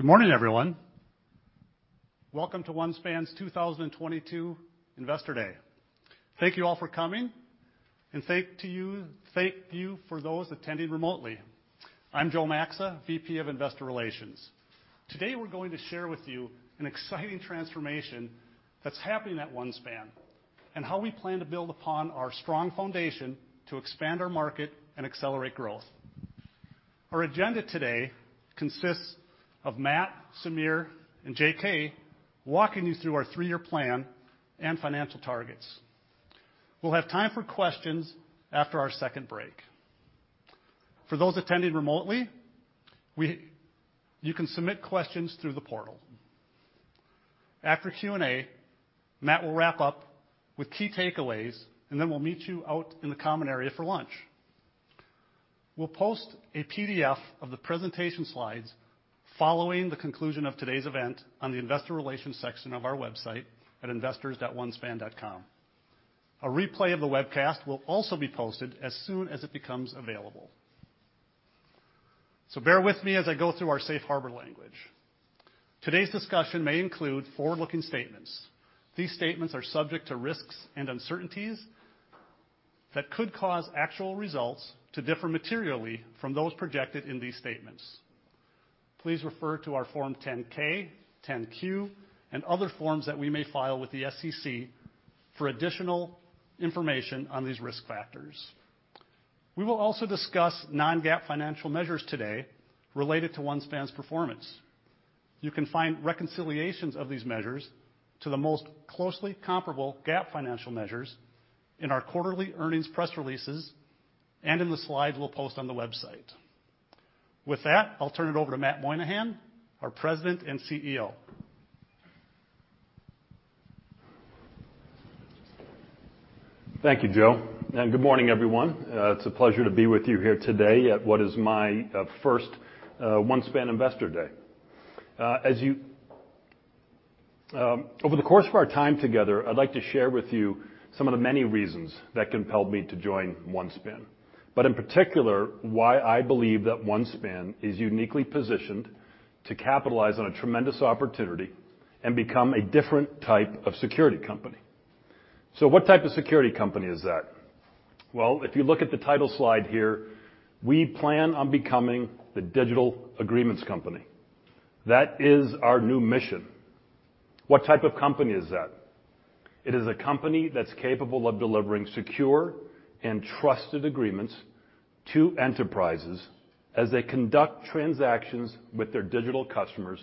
Good morning, everyone. Welcome to OneSpan's 2022 Investor Day. Thank you all for coming, and thank you for those attending remotely. I'm Joe Maxa, VP of Investor Relations. Today, we're going to share with you an exciting transformation that's happening at OneSpan, and how we plan to build upon our strong foundation to expand our market and accelerate growth. Our agenda today consists of Matt, Sameer, and JK walking you through our three-year plan and financial targets. We'll have time for questions after our second break. For those attending remotely, you can submit questions through the portal. After Q&A, Matt will wrap up with key takeaways, and then we'll meet you out in the common area for lunch. We'll post a PDF of the presentation slides following the conclusion of today's event on the investor relations section of our website at investors.onespan.com. A replay of the webcast will also be posted as soon as it becomes available. Bear with me as I go through our safe harbor language. Today's discussion may include forward-looking statements. These statements are subject to risks and uncertainties that could cause actual results to differ materially from those projected in these statements. Please refer to our Form 10-K, 10-Q, and other forms that we may file with the SEC for additional information on these risk factors. We will also discuss non-GAAP financial measures today related to OneSpan's performance. You can find reconciliations of these measures to the most closely comparable GAAP financial measures in our quarterly earnings press releases and in the slides we'll post on the website. With that, I'll turn it over to Matthew Moynahan, our President and CEO. Thank you, Joe, and good morning, everyone. It's a pleasure to be with you here today at what is my first OneSpan Investor Day. Over the course of our time together, I'd like to share with you some of the many reasons that compelled me to join OneSpan, but in particular, why I believe that OneSpan is uniquely positioned to capitalize on a tremendous opportunity and become a different type of security company. What type of security company is that? Well, if you look at the title slide here, we plan on becoming the digital agreements company. That is our new mission. What type of company is that? It is a company that's capable of delivering secure and trusted agreements to enterprises as they conduct transactions with their digital customers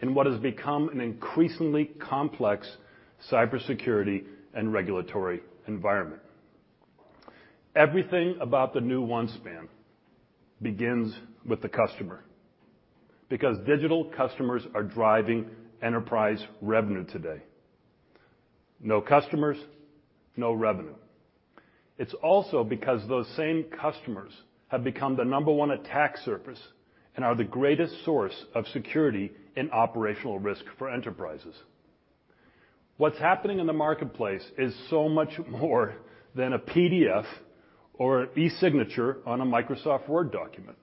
in what has become an increasingly complex cybersecurity and regulatory environment. Everything about the new OneSpan begins with the customer because digital customers are driving enterprise revenue today. No customers, no revenue. It's also because those same customers have become the number one attack surface and are the greatest source of security and operational risk for enterprises. What's happening in the marketplace is so much more than a PDF or e-signature on a Microsoft Word document.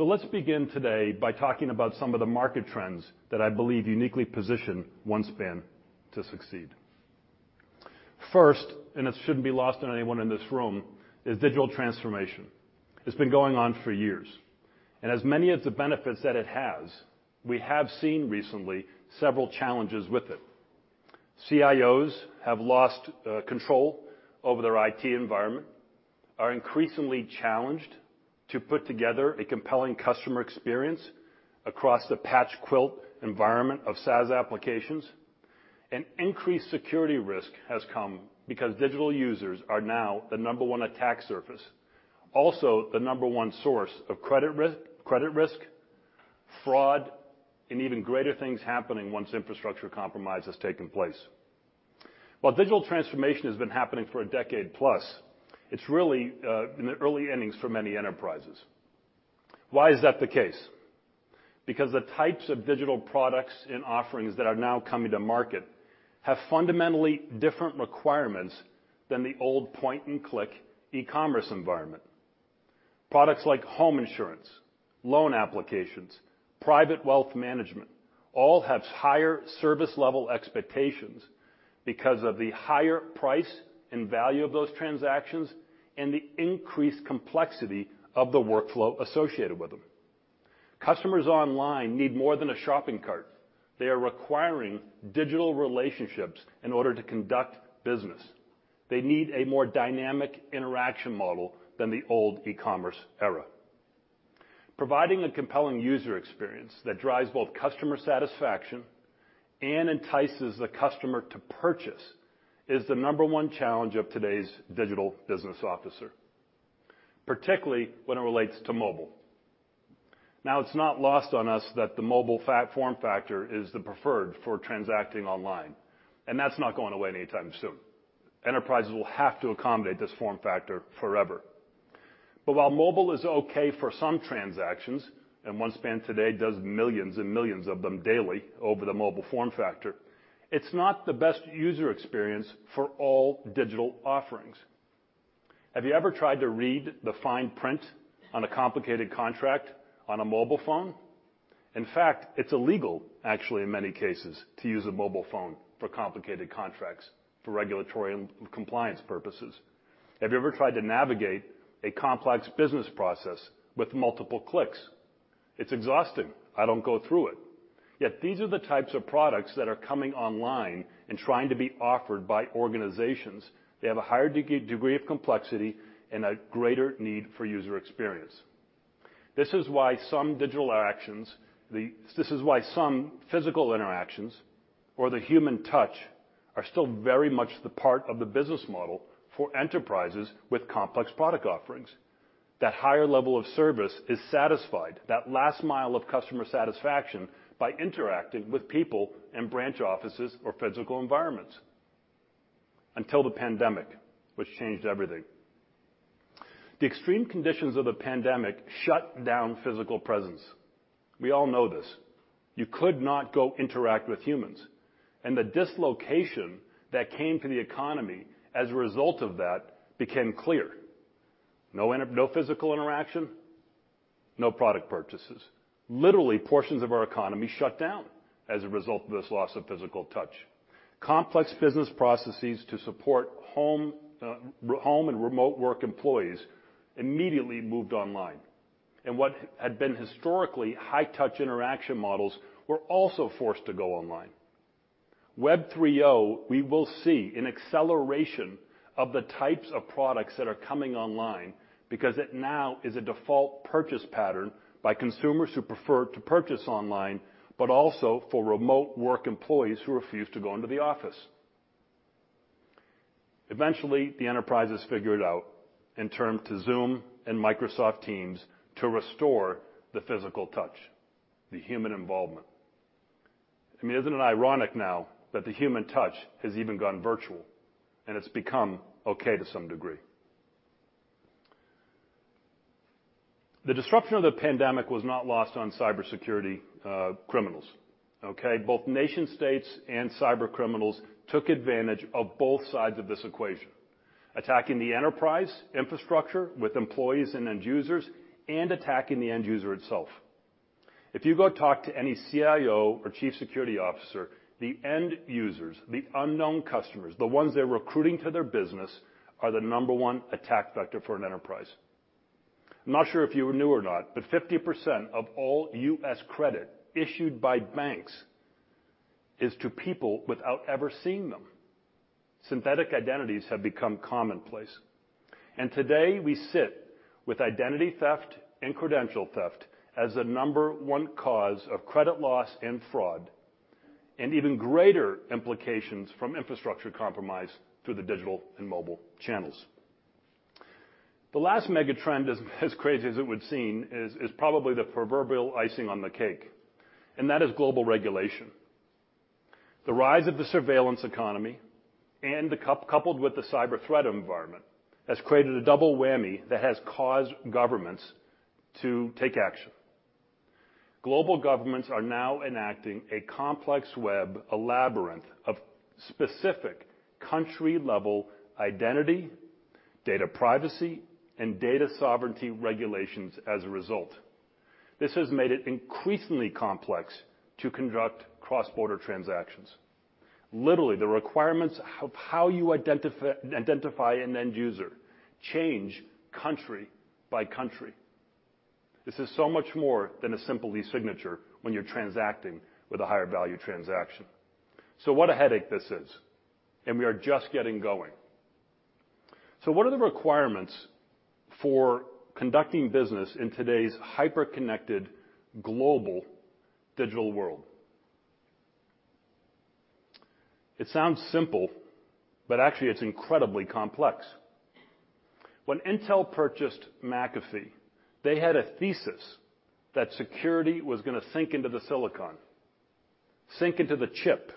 Let's begin today by talking about some of the market trends that I believe uniquely position OneSpan to succeed. First, and it shouldn't be lost on anyone in this room, is digital transformation. It's been going on for years, and as many of the benefits that it has, we have seen recently several challenges with it. CIOs have lost control over their IT environment, are increasingly challenged to put together a compelling customer experience across the patchwork environment of SaaS applications, and increased security risk has come because digital users are now the number one attack surface. Also, the number one source of credit risk, fraud, and even greater things happening once infrastructure compromise has taken place. While digital transformation has been happening for a decade plus, it's really in the early innings for many enterprises. Why is that the case? Because the types of digital products and offerings that are now coming to market have fundamentally different requirements than the old point-and-click e-commerce environment. Products like home insurance, loan applications, private wealth management all have higher service level expectations because of the higher price and value of those transactions and the increased complexity of the workflow associated with them. Customers online need more than a shopping cart. They are requiring digital relationships in order to conduct business. They need a more dynamic interaction model than the old e-commerce era. Providing a compelling user experience that drives both customer satisfaction and entices the customer to purchase is the number one challenge of today's digital business officer, particularly when it relates to mobile. Now, it's not lost on us that the mobile form factor is the preferred for transacting online, and that's not going away anytime soon. Enterprises will have to accommodate this form factor forever. While mobile is okay for some transactions, and OneSpan today does millions and millions of them daily over the mobile form factor, it's not the best user experience for all digital offerings. Have you ever tried to read the fine print on a complicated contract on a mobile phone? In fact, it's illegal actually in many cases to use a mobile phone for complicated contracts for regulatory and compliance purposes. Have you ever tried to navigate a complex business process with multiple clicks? It's exhausting. I don't go through it. Yet these are the types of products that are coming online and trying to be offered by organizations. They have a higher degree of complexity and a greater need for user experience. This is why some physical interactions or the human touch are still very much the part of the business model for enterprises with complex product offerings. That higher level of service is satisfied, that last mile of customer satisfaction by interacting with people in branch offices or physical environments. Until the pandemic, which changed everything. The extreme conditions of the pandemic shut down physical presence. We all know this. You could not go interact with humans, and the dislocation that came to the economy as a result of that became clear. No physical interaction, no product purchases. Literally, portions of our economy shut down as a result of this loss of physical touch. Complex business processes to support home and remote work employees immediately moved online, and what had been historically high touch interaction models were also forced to go online. Web 3.0, we will see an acceleration of the types of products that are coming online because it now is a default purchase pattern by consumers who prefer to purchase online, but also for remote work employees who refuse to go into the office. Eventually, the enterprises figured out and turned to Zoom and Microsoft Teams to restore the physical touch, the human involvement. I mean, isn't it ironic now that the human touch has even gone virtual, and it's become okay to some degree. The disruption of the pandemic was not lost on cybersecurity criminals. Both nation-states and cyber criminals took advantage of both sides of this equation, attacking the enterprise infrastructure with employees and end users and attacking the end user itself. If you go talk to any CIO or chief security officer, the end users, the unknown customers, the ones they're recruiting to their business, are the number one attack vector for an enterprise. I'm not sure if you knew or not, but 50% of all U.S. credit issued by banks is to people without ever seeing them. Synthetic identities have become commonplace. Today, we sit with identity theft and credential theft as the number one cause of credit loss and fraud, and even greater implications from infrastructure compromise through the digital and mobile channels. The last mega trend is, as crazy as it would seem, probably the proverbial icing on the cake, and that is global regulation. The rise of the surveillance economy and the coupled with the cyber threat environment has created a double whammy that has caused governments to take action. Global governments are now enacting a complex web, a labyrinth of specific country-level identity, data privacy, and data sovereignty regulations as a result. This has made it increasingly complex to conduct cross-border transactions. Literally, the requirements of how you identify an end user change country by country. This is so much more than a simple e-signature when you're transacting with a higher value transaction. What a headache this is, and we are just getting going. What are the requirements for conducting business in today's hyper-connected global digital world? It sounds simple, but actually it's incredibly complex. When Intel purchased McAfee, they had a thesis that security was gonna sink into the silicon, sink into the chip.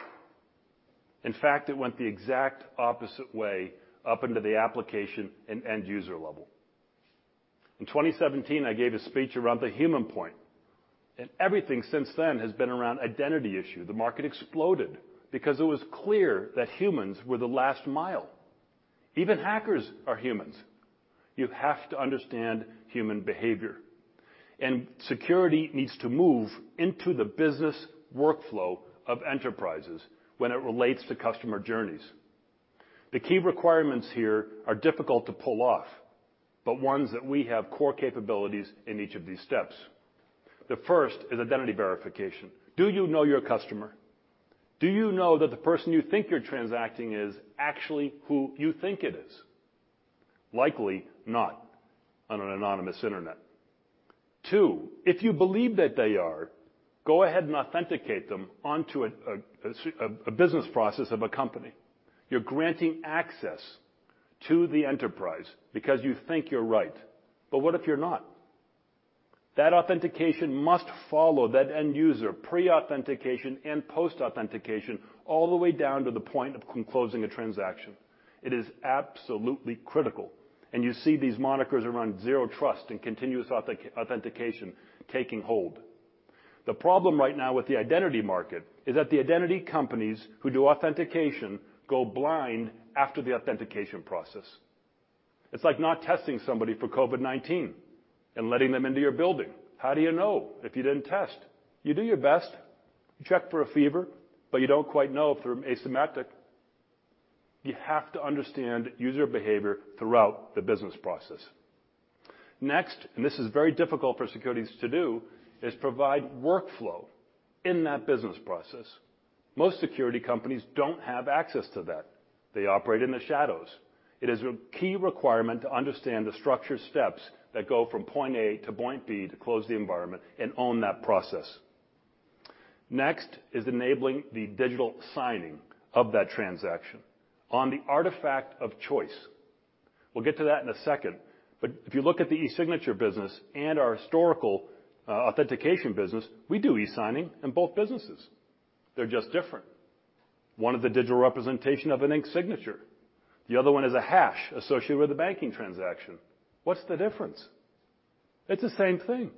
In 2017, I gave a speech around the human point, and everything since then has been around identity issue. The market exploded because it was clear that humans were the last mile. Even hackers are humans. You have to understand human behavior. Security needs to move into the business workflow of enterprises when it relates to customer journeys. The key requirements here are difficult to pull off, but ones that we have core capabilities in each of these steps. The first is identity verification. Do you know your customer? Do you know that the person you think you're transacting is actually who you think it is? Likely not on an anonymous internet. Two, if you believe that they are, go ahead and authenticate them onto a business process of a company. You're granting access to the enterprise because you think you're right. But what if you're not? That authentication must follow that end user, pre-authentication and post-authentication, all the way down to the point of closing a transaction. It is absolutely critical, and you see these monikers around zero trust and continuous authentication taking hold. The problem right now with the identity market is that the identity companies who do authentication go blind after the authentication process. It's like not testing somebody for COVID-19 and letting them into your building. How do you know if you didn't test? You do your best. You check for a fever, but you don't quite know if they're asymptomatic. You have to understand user behavior throughout the business process. Next, this is very difficult for security to do, is provide workflow in that business process. Most security companies don't have access to that. They operate in the shadows. It is a key requirement to understand the structured steps that go from point A to point B to close the environment and own that process. Next is enabling the digital signing of that transaction on the artifact of choice. We'll get to that in a second. If you look at the e-signature business and our historical authentication business, we do e-signing in both businesses. They're just different. One is the digital representation of an ink signature. The other one is a hash associated with a banking transaction. What's the difference? It's the same thing.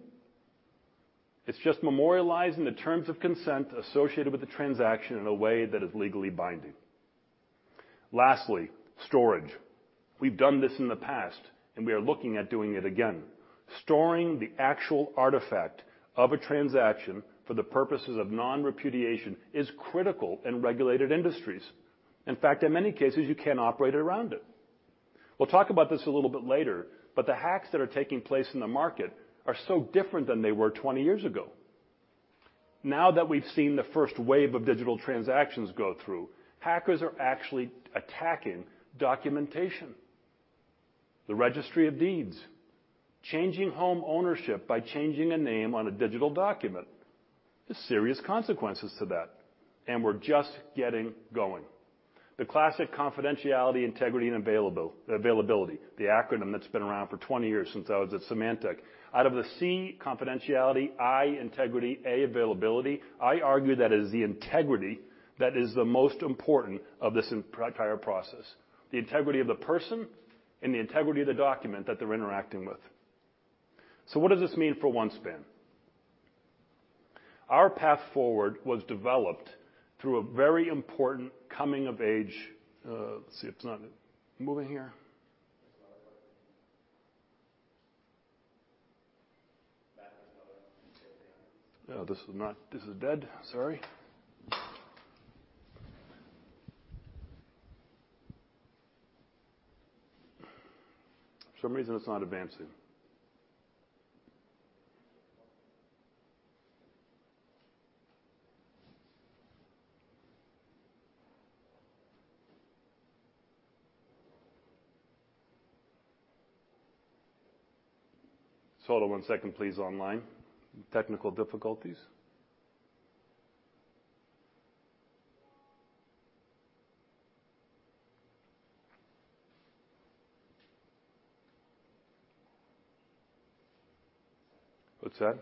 It's just memorializing the terms of consent associated with the transaction in a way that is legally binding. Lastly, storage. We've done this in the past, and we are looking at doing it again. Storing the actual artifact of a transaction for the purposes of non-repudiation is critical in regulated industries. In fact, in many cases, you can't operate around it. We'll talk about this a little bit later, but the hacks that are taking place in the market are so different than they were 20 years ago. Now that we've seen the first wave of digital transactions go through, hackers are actually attacking documentation, the registry of deeds, changing home ownership by changing a name on a digital document. There's serious consequences to that, and we're just getting going. The classic confidentiality, integrity, and availability, the acronym that's been around for 20 years since I was at Symantec. Out of the C, confidentiality, I, integrity, A, availability, I argue that it is the integrity that is the most important of this entire process, the integrity of the person and the integrity of the document that they're interacting with. What does this mean for OneSpan? Our path forward was developed through a very important coming-of-age. Let's see, it's not moving here. This is dead. Sorry. For some reason, it's not advancing. Hold on one second, please, online. Technical difficulties. What's that?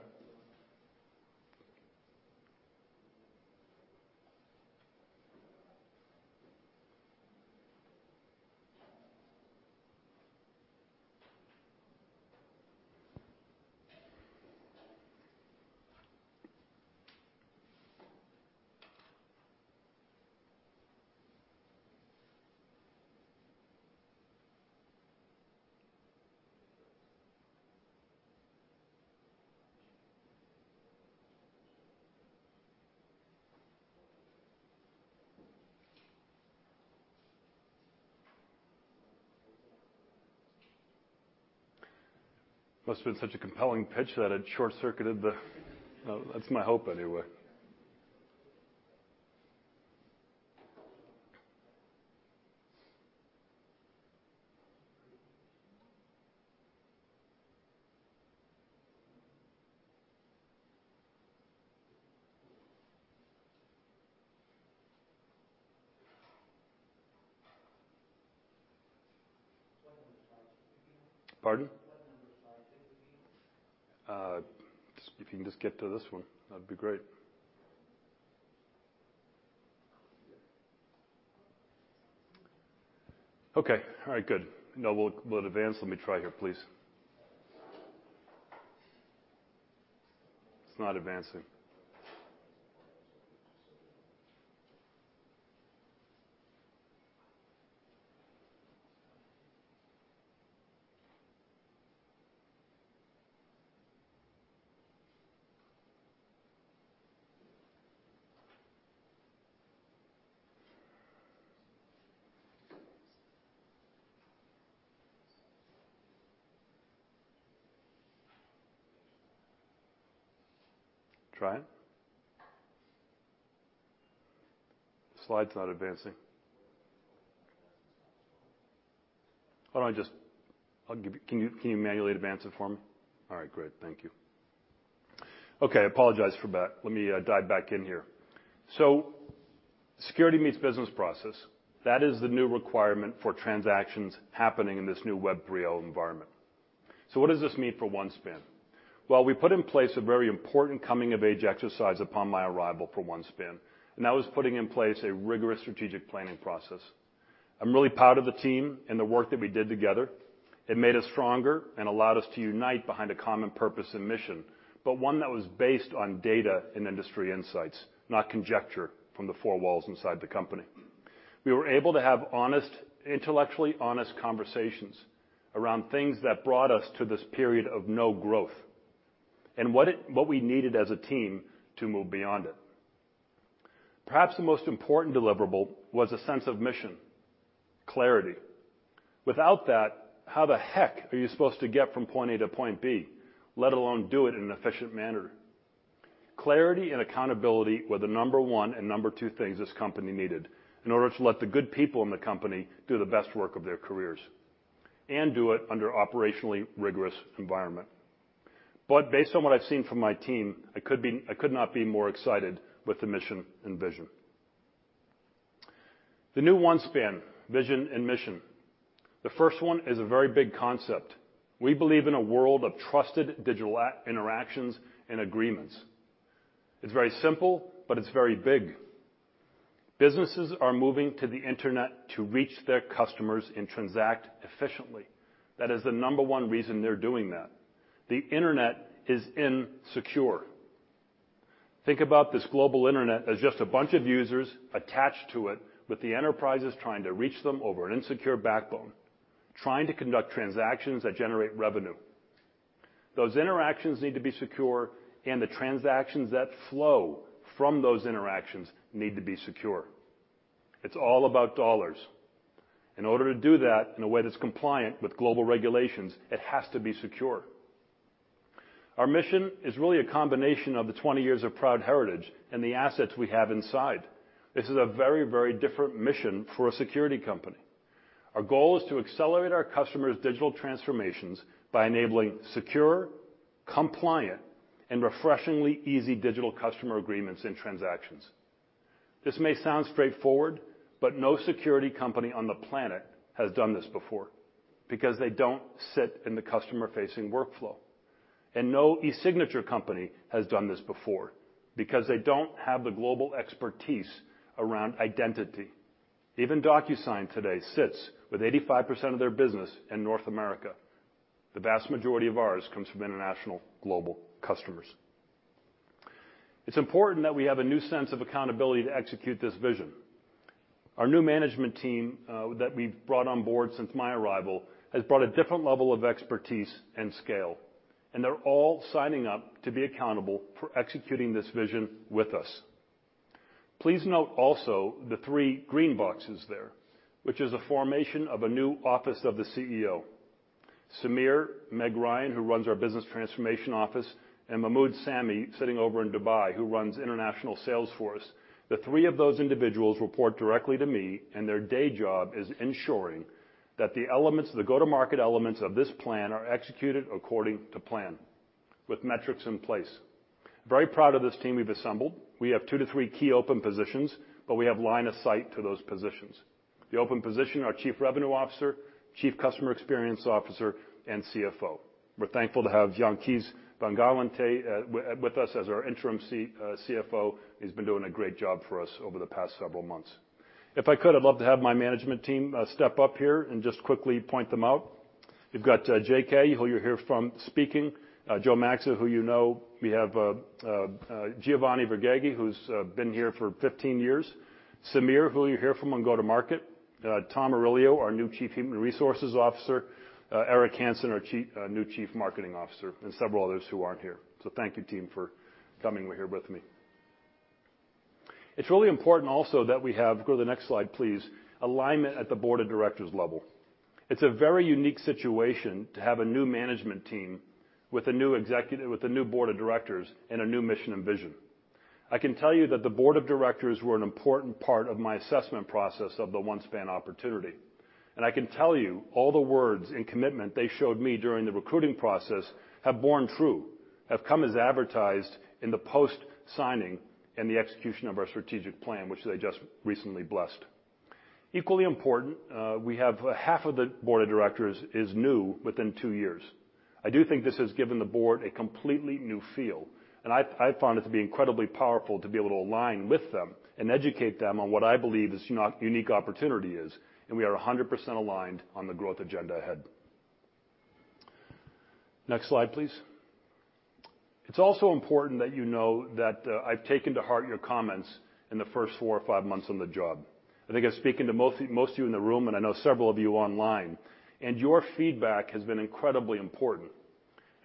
Must've been such a compelling pitch that it short-circuited the. Well, that's my hope anyway. Pardon? If you can just get to this one, that'd be great. Okay. All right. Good. Will it advance? Let me try here, please. It's not advancing. Trying. Slide's not advancing. Why don't I just. Can you manually advance it for me? All right, great. Thank you. Okay. Apologize for that. Let me dive back in here. Security meets business process. That is the new requirement for transactions happening in this new Web 3.0 environment. What does this mean for OneSpan? Well, we put in place a very important coming-of-age exercise upon my arrival at OneSpan, and that was putting in place a rigorous strategic planning process. I'm really proud of the team and the work that we did together. It made us stronger and allowed us to unite behind a common purpose and mission, but one that was based on data and industry insights, not conjecture from the four walls inside the company. We were able to have honest, intellectually honest conversations around things that brought us to this period of no growth and what we needed as a team to move beyond it. Perhaps the most important deliverable was a sense of mission, clarity. Without that, how the heck are you supposed to get from point A to point B, let alone do it in an efficient manner? Clarity and accountability were the number one and number two things this company needed in order to let the good people in the company do the best work of their careers, and do it under operationally rigorous environment. Based on what I've seen from my team, I could not be more excited with the mission and vision. The new OneSpan vision and mission. The first one is a very big concept. We believe in a world of trusted digital interactions and agreements. It's very simple, but it's very big. Businesses are moving to the Internet to reach their customers and transact efficiently. That is the number 1 reason they're doing that. The Internet is insecure. Think about this global Internet as just a bunch of users attached to it, with the enterprises trying to reach them over an insecure backbone, trying to conduct transactions that generate revenue. Those interactions need to be secure, and the transactions that flow from those interactions need to be secure. It's all about dollars. In order to do that in a way that's compliant with global regulations, it has to be secure. Our mission is really a combination of the 20 years of proud heritage and the assets we have inside. This is a very, very different mission for a security company. Our goal is to accelerate our customers' digital transformations by enabling secure, compliant, and refreshingly easy digital customer agreements and transactions. This may sound straightforward, but no security company on the planet has done this before because they don't sit in the customer-facing workflow. No e-signature company has done this before because they don't have the global expertise around identity. Even DocuSign today sits with 85% of their business in North America. The vast majority of ours comes from international global customers. It's important that we have a new sense of accountability to execute this vision. Our new management team, that we've brought on board since my arrival, has brought a different level of expertise and scale, and they're all signing up to be accountable for executing this vision with us. Please note also the three green boxes there, which is a formation of a new office of the CEO. Sameer, Meg Ryan, who runs our business transformation office, and Mahmoud Samy, sitting over in Dubai, who runs international sales force. The three of those individuals report directly to me, and their day job is ensuring that the elements, the go-to-market elements of this plan are executed according to plan with metrics in place. Very proud of this team we've assembled. We have two to three key open positions, but we have line of sight to those positions. The open position are Chief Revenue Officer, Chief Customer Experience Officer, and CFO. We're thankful to have Jan Kees van Gaalen with us as our interim CFO. He's been doing a great job for us over the past several months. If I could, I'd love to have my management team step up here and just quickly point them out. We've got JK, who you hear from speaking, Joe Maxa, who you know. We have Giovanni Verhaeghe, who's been here for 15 years. Sameer, who you hear from on go-to-market. Tom Aurelio, our new Chief Human Resources Officer. Eric Hanson, our new Chief Marketing Officer, and several others who aren't here. Thank you team for coming here with me. It's really important also that we have, go to the next slide, please, alignment at the board of directors level. It's a very unique situation to have a new management team with a new executive, with a new board of directors and a new mission and vision. I can tell you that the board of directors were an important part of my assessment process of the OneSpan opportunity. I can tell you all the words and commitment they showed me during the recruiting process have borne true, have come as advertised in the post-signing and the execution of our strategic plan, which they just recently blessed. Equally important, we have half of the board of directors is new within two years. I do think this has given the board a completely new feel, and I found it to be incredibly powerful to be able to align with them and educate them on what I believe is unique opportunity is, and we are 100% aligned on the growth agenda ahead. Next slide, please. It's also important that you know that, I've taken to heart your comments in the first four or five months on the job. I think I'm speaking to most of you in the room, and I know several of you online, and your feedback has been incredibly important.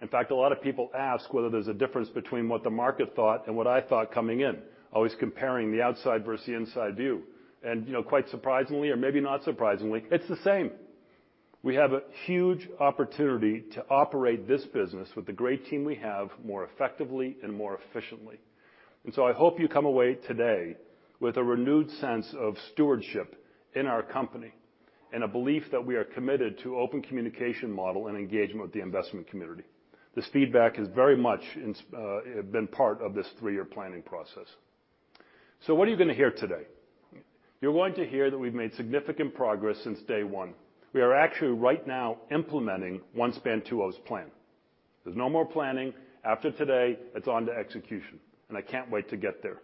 In fact, a lot of people ask whether there's a difference between what the market thought and what I thought coming in, always comparing the outside versus the inside view. You know, quite surprisingly, or maybe not surprisingly, it's the same. We have a huge opportunity to operate this business with the great team we have more effectively and more efficiently. I hope you come away today with a renewed sense of stewardship in our company and a belief that we are committed to open communication model and engagement with the investment community. This feedback has very much been part of this three-year planning process. What are you gonna hear today? You're going to hear that we've made significant progress since day one. We are actually right now implementing OneSpan 2.0's plan. There's no more planning. After today, it's on to execution, and I can't wait to get there.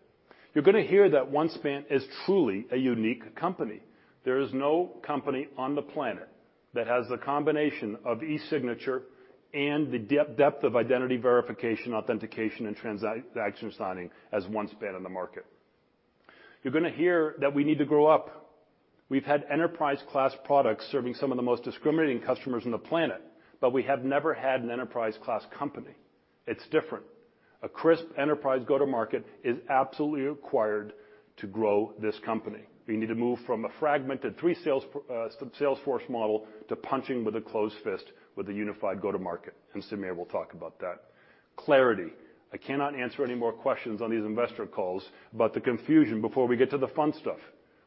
You're gonna hear that OneSpan is truly a unique company. There is no company on the planet that has the combination of e-signature and the depth of identity verification, authentication, and transaction signing as OneSpan in the market. You're gonna hear that we need to grow up. We've had enterprise-class products serving some of the most discriminating customers on the planet, but we have never had an enterprise-class company. It's different. A crisp enterprise go-to-market is absolutely required to grow this company. We need to move from a fragmented three sales force model to punching with a closed fist with a unified go-to-market, and Sameer will talk about that. Clarity. I cannot answer any more questions on these investor calls about the confusion before we get to the fun stuff.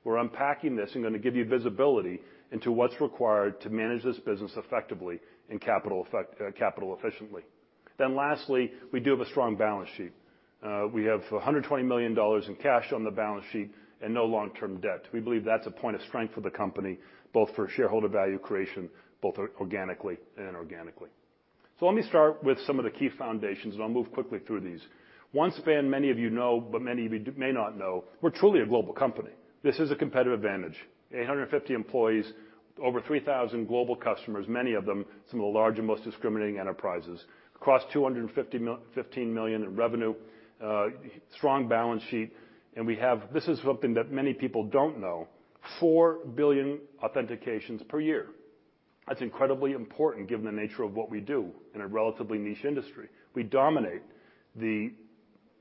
We're unpacking this and gonna give you visibility into what's required to manage this business effectively and capital efficiently. Lastly, we do have a strong balance sheet. We have $120 million in cash on the balance sheet and no long-term debt. We believe that's a point of strength for the company, both for shareholder value creation, both organically and inorganically. Let me start with some of the key foundations, and I'll move quickly through these. OneSpan, many of you know, but many of you may not know, we're truly a global company. This is a competitive advantage. 850 employees, over 3,000 global customers, many of them some of the large and most discriminating enterprises, across $250 million in revenue, strong balance sheet, and we have, this is something that many people don't know, 4 billion authentications per year. That's incredibly important given the nature of what we do in a relatively niche industry. We dominate the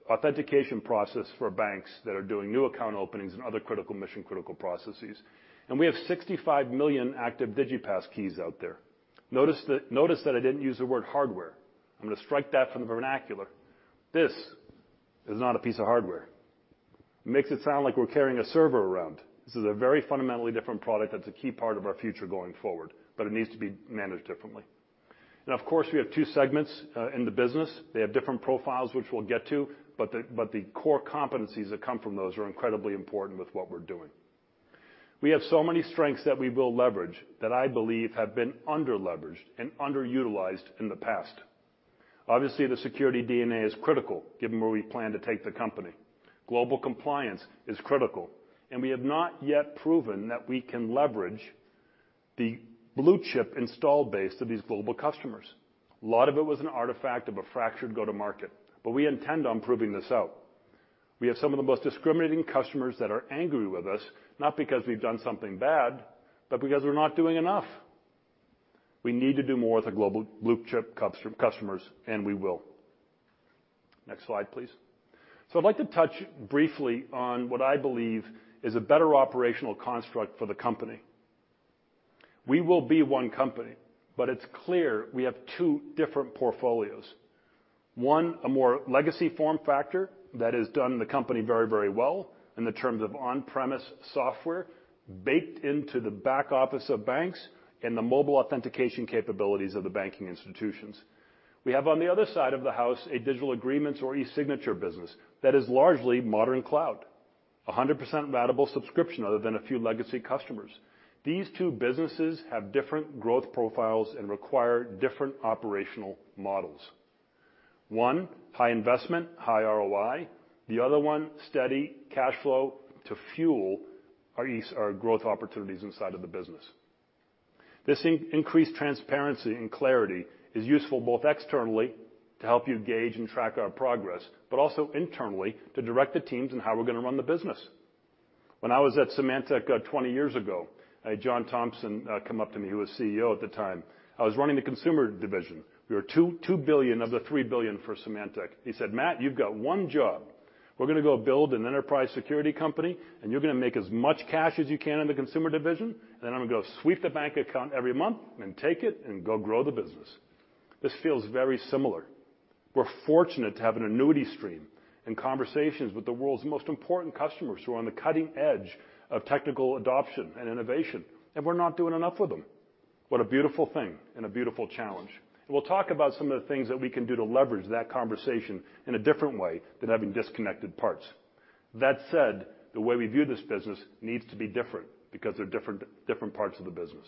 authentication process for banks that are doing new account openings and other critical mission-critical processes. We have 65 million active Digipass keys out there. Notice that I didn't use the word hardware. I'm gonna strike that from the vernacular. This is not a piece of hardware. Makes it sound like we're carrying a server around. This is a very fundamentally different product that's a key part of our future going forward, but it needs to be managed differently. Of course, we have two segments in the business. They have different profiles, which we'll get to, but the core competencies that come from those are incredibly important with what we're doing. We have so many strengths that we will leverage, that I believe have been under-leveraged and underutilized in the past. Obviously, the security DNA is critical given where we plan to take the company. Global compliance is critical, and we have not yet proven that we can leverage the blue-chip install base of these global customers. A lot of it was an artifact of a fractured go-to-market, but we intend on proving this out. We have some of the most discriminating customers that are angry with us, not because we've done something bad, but because we're not doing enough. We need to do more with the global blue-chip customers, and we will. Next slide, please. I'd like to touch briefly on what I believe is a better operational construct for the company. We will be one company, but it's clear we have two different portfolios. One, a more legacy form factor that has done the company very, very well in terms of on-premise software baked into the back office of banks and the mobile authentication capabilities of the banking institutions. We have on the other side of the house a digital agreements or e-signature business that is largely modern cloud, 100% valuable subscription other than a few legacy customers. These two businesses have different growth profiles and require different operational models. One, high investment, high ROI. The other one, steady cash flow to fuel our growth opportunities inside of the business. This increased transparency and clarity is useful both externally to help you gauge and track our progress, but also internally to direct the teams in how we're gonna run the business. When I was at Symantec 20 years ago, I had John Thompson come up to me, who was CEO at the time. I was running the consumer division. We were $2 billion of the $3 billion for Symantec. He said, "Matt, you've got one job. We're gonna go build an enterprise security company, and you're gonna make as much cash as you can in the consumer division, and then I'm gonna go sweep the bank account every month and take it and go grow the business." This feels very similar. We're fortunate to have an annuity stream and conversations with the world's most important customers who are on the cutting edge of technical adoption and innovation, and we're not doing enough with them. What a beautiful thing and a beautiful challenge. We'll talk about some of the things that we can do to leverage that conversation in a different way than having disconnected parts. That said, the way we view this business needs to be different because they're different parts of the business.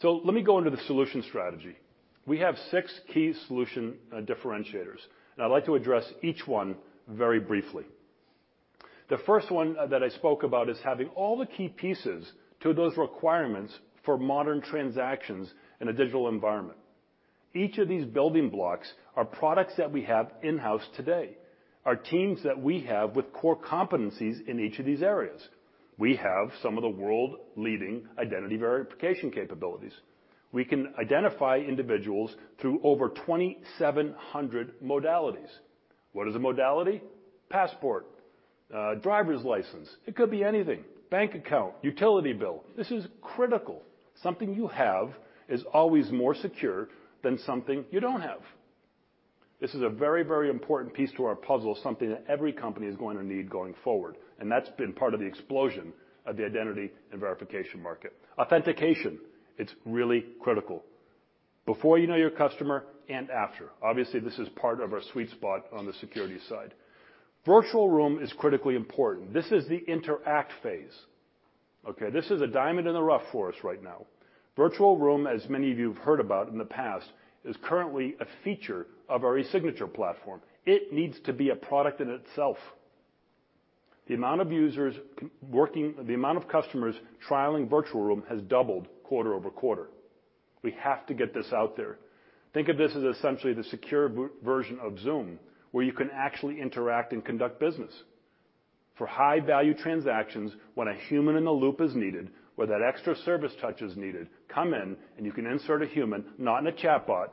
Let me go into the solution strategy. We have six key solution differentiators, and I'd like to address each one very briefly. The first one that I spoke about is having all the key pieces to those requirements for modern transactions in a digital environment. Each of these building blocks are products that we have in-house today, are teams that we have with core competencies in each of these areas. We have some of the world-leading identity verification capabilities. We can identify individuals through over 2,700 modalities. What is a modality? Passport, driver's license. It could be anything. Bank account, utility bill. This is critical. Something you have is always more secure than something you don't have. This is a very, very important piece to our puzzle, something that every company is going to need going forward, and that's been part of the explosion of the identity verification market. Authentication, it's really critical. Before you know your customer and after. Obviously, this is part of our sweet spot on the security side. Virtual Room is critically important. This is the interact phase. Okay, this is a diamond in the rough for us right now. Virtual Room, as many of you have heard about in the past, is currently a feature of our e-signature platform. It needs to be a product in itself. The amount of customers trialing Virtual Room has doubled quarter-over-quarter. We have to get this out there. Think of this as essentially the secure version of Zoom, where you can actually interact and conduct business. For high-value transactions when a human in the loop is needed, where that extra service touch is needed, come in and you can insert a human, not in a chatbot,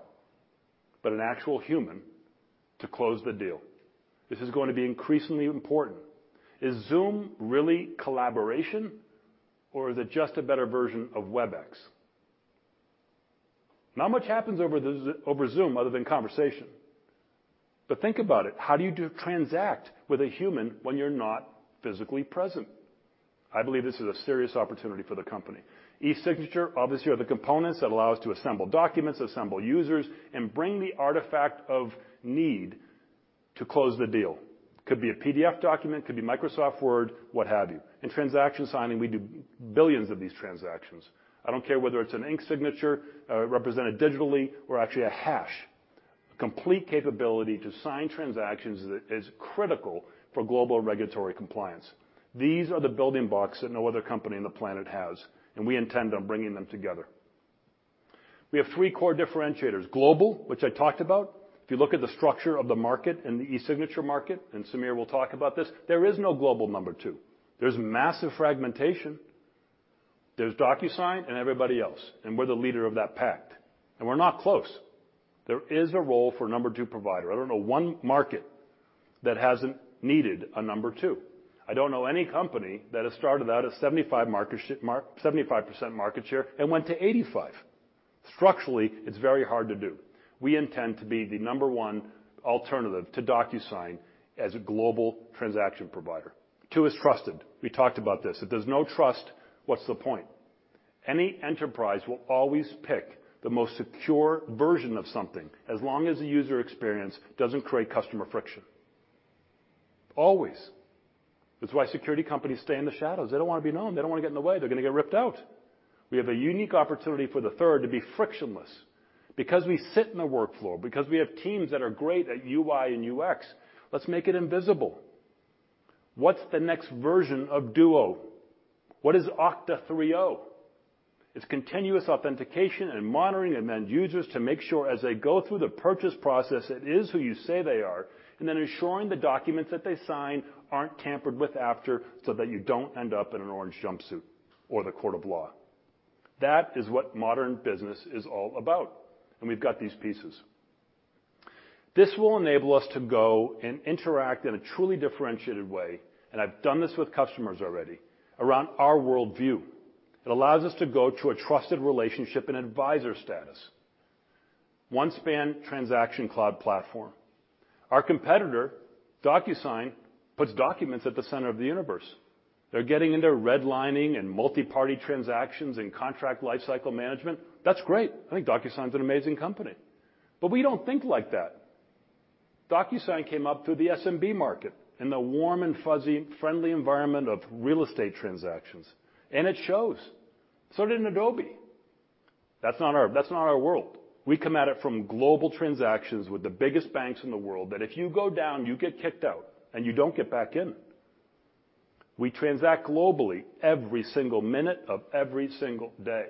but an actual human to close the deal. This is going to be increasingly important. Is Zoom really collaboration or is it just a better version of Webex? Not much happens over Zoom other than conversation. But think about it, how do you transact with a human when you're not physically present? I believe this is a serious opportunity for the company. E-signature, obviously, are the components that allow us to assemble documents, assemble users, and bring the artifact of need to close the deal. Could be a PDF document, could be Microsoft Word, what have you. In transaction signing, we do billions of these transactions. I don't care whether it's an ink signature represented digitally or actually a hash. Complete capability to sign transactions is critical for global regulatory compliance. These are the building blocks that no other company on the planet has, and we intend on bringing them together. We have three core differentiators. Global, which I talked about. If you look at the structure of the market and the e-signature market, and Sameer will talk about this, there is no global number two. There's massive fragmentation. There's DocuSign and everybody else, and we're the leader of that pack, and we're not close. There is a role for number two provider. I don't know one market that hasn't needed a number two. I don't know any company that has started out at 75% market share and went to 85%. Structurally, it's very hard to do. We intend to be the number one alternative to DocuSign as a global transaction provider. Two is trusted. We talked about this. If there's no trust, what's the point? Any enterprise will always pick the most secure version of something as long as the user experience doesn't create customer friction. Always. That's why security companies stay in the shadows. They don't wanna be known. They don't wanna get in the way. They're gonna get ripped out. We have a unique opportunity for the third to be frictionless because we sit in the workflow, because we have teams that are great at UI and UX, let's make it invisible. What's the next version of Duo? What is Okta 3.0? It's continuous authentication and monitoring end users to make sure as they go through the purchase process, it is who you say they are, and then ensuring the documents that they sign aren't tampered with after so that you don't end up in an orange jumpsuit or the court of law. That is what modern business is all about, and we've got these pieces. This will enable us to go and interact in a truly differentiated way, and I've done this with customers already, around our worldview. It allows us to go to a trusted relationship and advisor status. OneSpan Transaction Cloud Platform. Our competitor, DocuSign, puts documents at the center of the universe. They're getting into redlining and multi-party transactions and contract lifecycle management. That's great. I think DocuSign's an amazing company. We don't think like that. DocuSign came up through the SMB market in the warm and fuzzy, friendly environment of real estate transactions, and it shows. So did Adobe. That's not our world. We come at it from global transactions with the biggest banks in the world, that if you go down, you get kicked out and you don't get back in. We transact globally every single minute of every single day.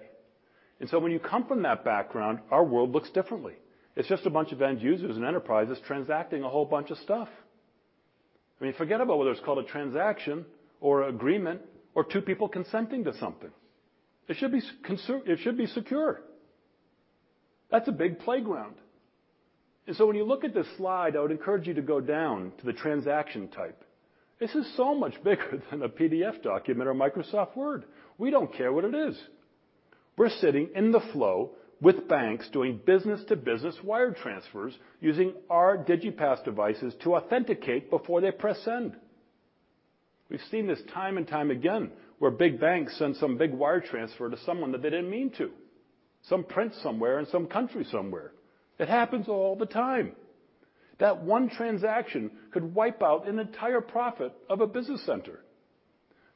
When you come from that background, our world looks differently. It's just a bunch of end users and enterprises transacting a whole bunch of stuff. I mean, forget about whether it's called a transaction or agreement or two people consenting to something. It should be secure. That's a big playground. When you look at this slide, I would encourage you to go down to the transaction type. This is so much bigger than a PDF document or Microsoft Word. We don't care what it is. We're sitting in the flow with banks doing business-to-business wire transfers using our Digipass devices to authenticate before they press send. We've seen this time and time again, where big banks send some big wire transfer to someone that they didn't mean to. Some prince somewhere in some country somewhere. It happens all the time. That one transaction could wipe out an entire profit of a business center.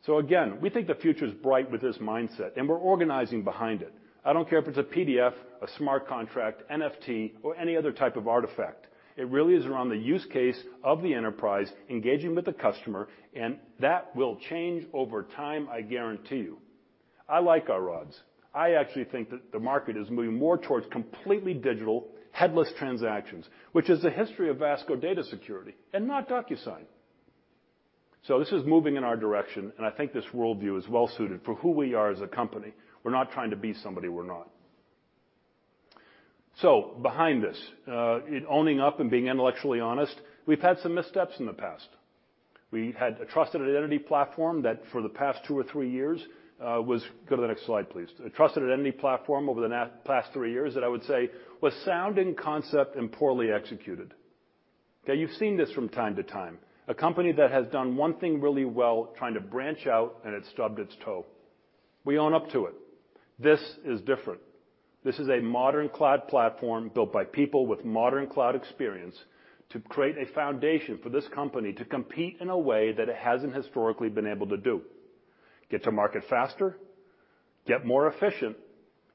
Again, we think the future's bright with this mindset, and we're organizing behind it. I don't care if it's a PDF, a smart contract, NFT, or any other type of artifact. It really is around the use case of the enterprise engaging with the customer, and that will change over time, I guarantee you. I like IRRODS. I actually think that the market is moving more towards completely digital headless transactions, which is the history of Vasco Data Security and not DocuSign. This is moving in our direction, and I think this worldview is well-suited for who we are as a company. We're not trying to be somebody we're not. Behind this, in owning up and being intellectually honest, we've had some missteps in the past. We had a trusted identity platform that for the past two or three years was. Go to the next slide, please. A Trusted Identity Platform over the past three years that I would say was sound in concept and poorly executed. Okay, you've seen this from time to time, a company that has done one thing really well trying to branch out and it stubbed its toe. We own up to it. This is different. This is a modern cloud platform built by people with modern cloud experience to create a foundation for this company to compete in a way that it hasn't historically been able to do. Get to market faster, get more efficient,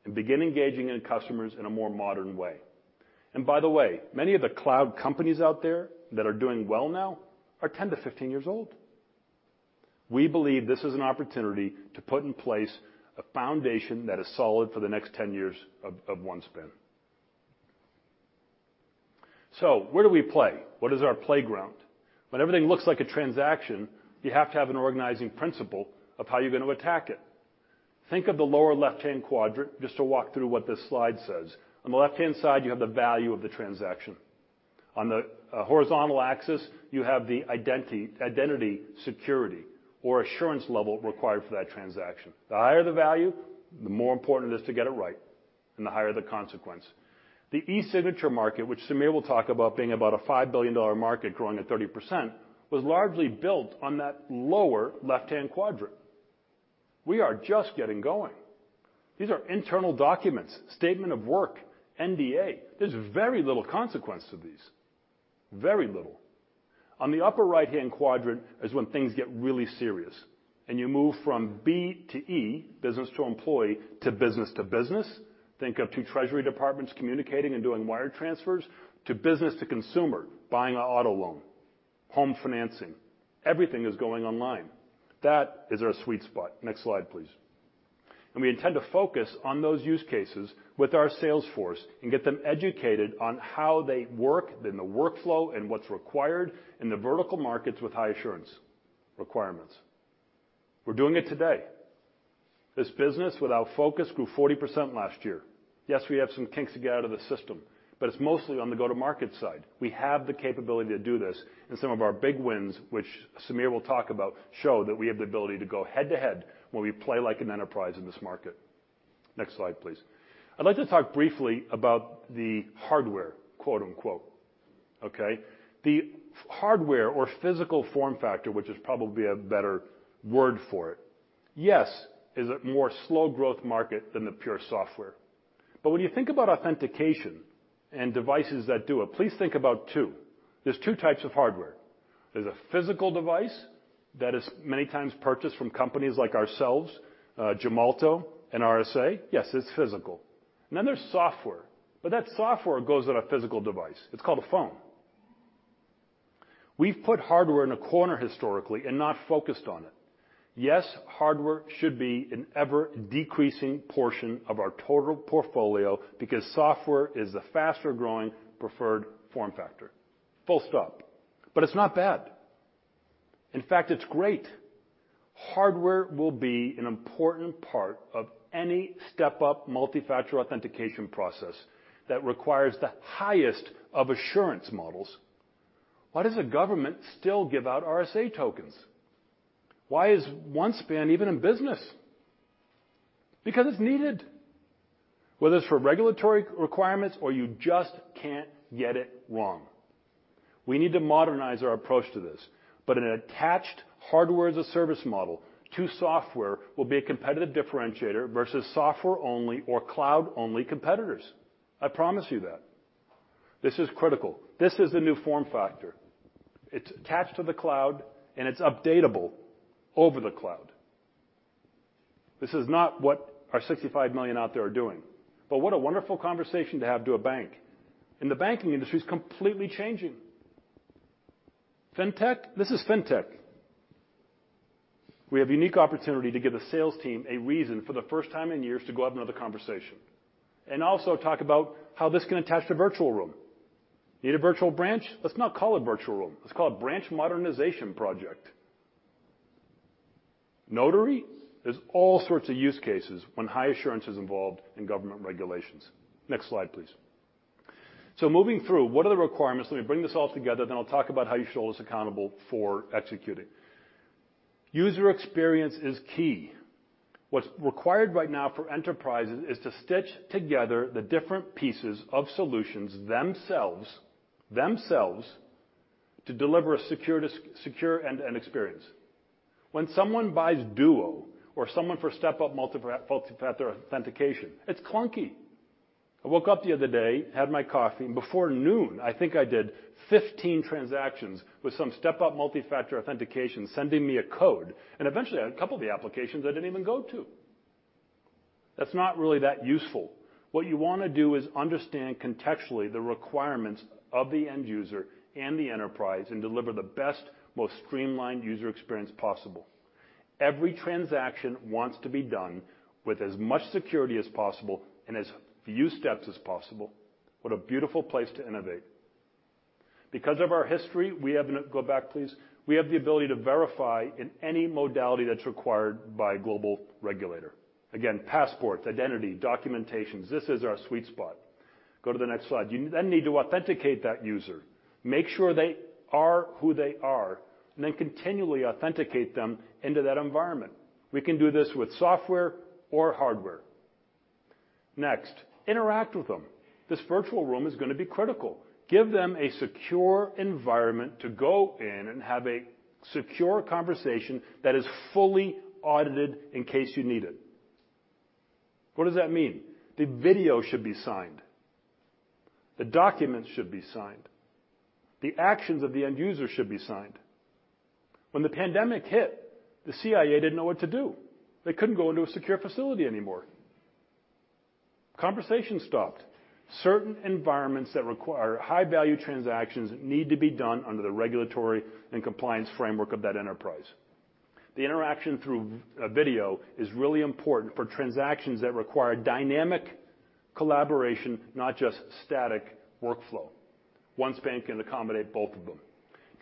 and begin engaging in customers in a more modern way. By the way, many of the cloud companies out there that are doing well now are 10-15 years old. We believe this is an opportunity to put in place a foundation that is solid for the next 10 years of OneSpan. Where do we play? What is our playground? When everything looks like a transaction, you have to have an organizing principle of how you're gonna attack it. Think of the lower left-hand quadrant just to walk through what this slide says. On the left-hand side, you have the value of the transaction. On the horizontal axis, you have the identity security or assurance level required for that transaction. The higher the value, the more important it is to get it right and the higher the consequence. The e-signature market, which Sameer will talk about being about a $5 billion market growing at 30%, was largely built on that lower left-hand quadrant. We are just getting going. These are internal documents, statement of work, NDA. There's very little consequence to these. Very little. On the upper right-hand quadrant is when things get really serious, and you move from B to E, business to employee, to business to business, think of two treasury departments communicating and doing wire transfers, to business to consumer, buying an auto loan, home financing. Everything is going online. That is our sweet spot. Next slide, please. We intend to focus on those use cases with our sales force and get them educated on how they work, then the workflow and what's required in the vertical markets with high assurance requirements. We're doing it today. This business with our focus grew 40% last year. Yes, we have some kinks to get out of the system, but it's mostly on the go-to-market side. We have the capability to do this, and some of our big wins, which Sameer will talk about, show that we have the ability to go head-to-head when we play like an enterprise in this market. Next slide, please. I'd like to talk briefly about the hardware, quote-unquote. Okay? The hardware or physical form factor, which is probably a better word for it, yes, is a slower growth market than the pure software. When you think about authentication and devices that do it, please think about two. There's two types of hardware. There's a physical device that is many times purchased from companies like ourselves, Gemalto and RSA. Yes, it's physical. And then there's software, but that software goes on a physical device. It's called a phone. We've put hardware in a corner historically and not focused on it. Yes, hardware should be an ever-decreasing portion of our total portfolio because software is the faster-growing preferred form factor. Full stop. It's not bad. In fact, it's great. Hardware will be an important part of any step-up multi-factor authentication process that requires the highest of assurance models. Why does the government still give out RSA tokens? Why is OneSpan even in business? Because it's needed, whether it's for regulatory requirements or you just can't get it wrong. We need to modernize our approach to this, but an attached Hardware as a Service model to software will be a competitive differentiator versus software-only or cloud-only competitors. I promise you that. This is critical. This is the new form factor. It's attached to the cloud, and it's updatable over the cloud. This is not what our 65 million out there are doing, but what a wonderful conversation to have to a bank. The banking industry is completely changing. Fintech, this is Fintech. We have unique opportunity to give the sales team a reason for the first time in years to go have another conversation and also talk about how this can attach to Virtual Room. Need a virtual branch? Let's not call it Virtual Room. Let's call it branch modernization project. Notary? There's all sorts of use cases when high assurance is involved in government regulations. Next slide, please. Moving through, what are the requirements? Let me bring this all together, then I'll talk about how you show this accountable for executing. User experience is key. What's required right now for enterprises is to stitch together the different pieces of solutions themselves to deliver a secure end-to-end experience. When someone buys Duo or Okta for step-up multi-factor authentication, it's clunky. I woke up the other day, had my coffee, and before noon, I think I did 15 transactions with some step-up multi-factor authentication sending me a code, and eventually, a couple of the applications I didn't even go to. That's not really that useful. What you wanna do is understand contextually the requirements of the end user and the enterprise and deliver the best, most streamlined user experience possible. Every transaction wants to be done with as much security as possible and as few steps as possible. What a beautiful place to innovate. Because of our history, we have the ability to verify in any modality that's required by a global regulator. Again, passports, identity, documentation. This is our sweet spot. Go to the next slide. You then need to authenticate that user, make sure they are who they are, and then continually authenticate them into that environment. We can do this with software or hardware. Next, interact with them. This Virtual Room is gonna be critical. Give them a secure environment to go in and have a secure conversation that is fully audited in case you need it. What does that mean? The video should be signed. The documents should be signed. The actions of the end user should be signed. When the pandemic hit, the CIA didn't know what to do. They couldn't go into a secure facility anymore. Conversation stopped. Certain environments that require high-value transactions need to be done under the regulatory and compliance framework of that enterprise. The interaction through video is really important for transactions that require dynamic collaboration, not just static workflow. OneSpan can accommodate both of them.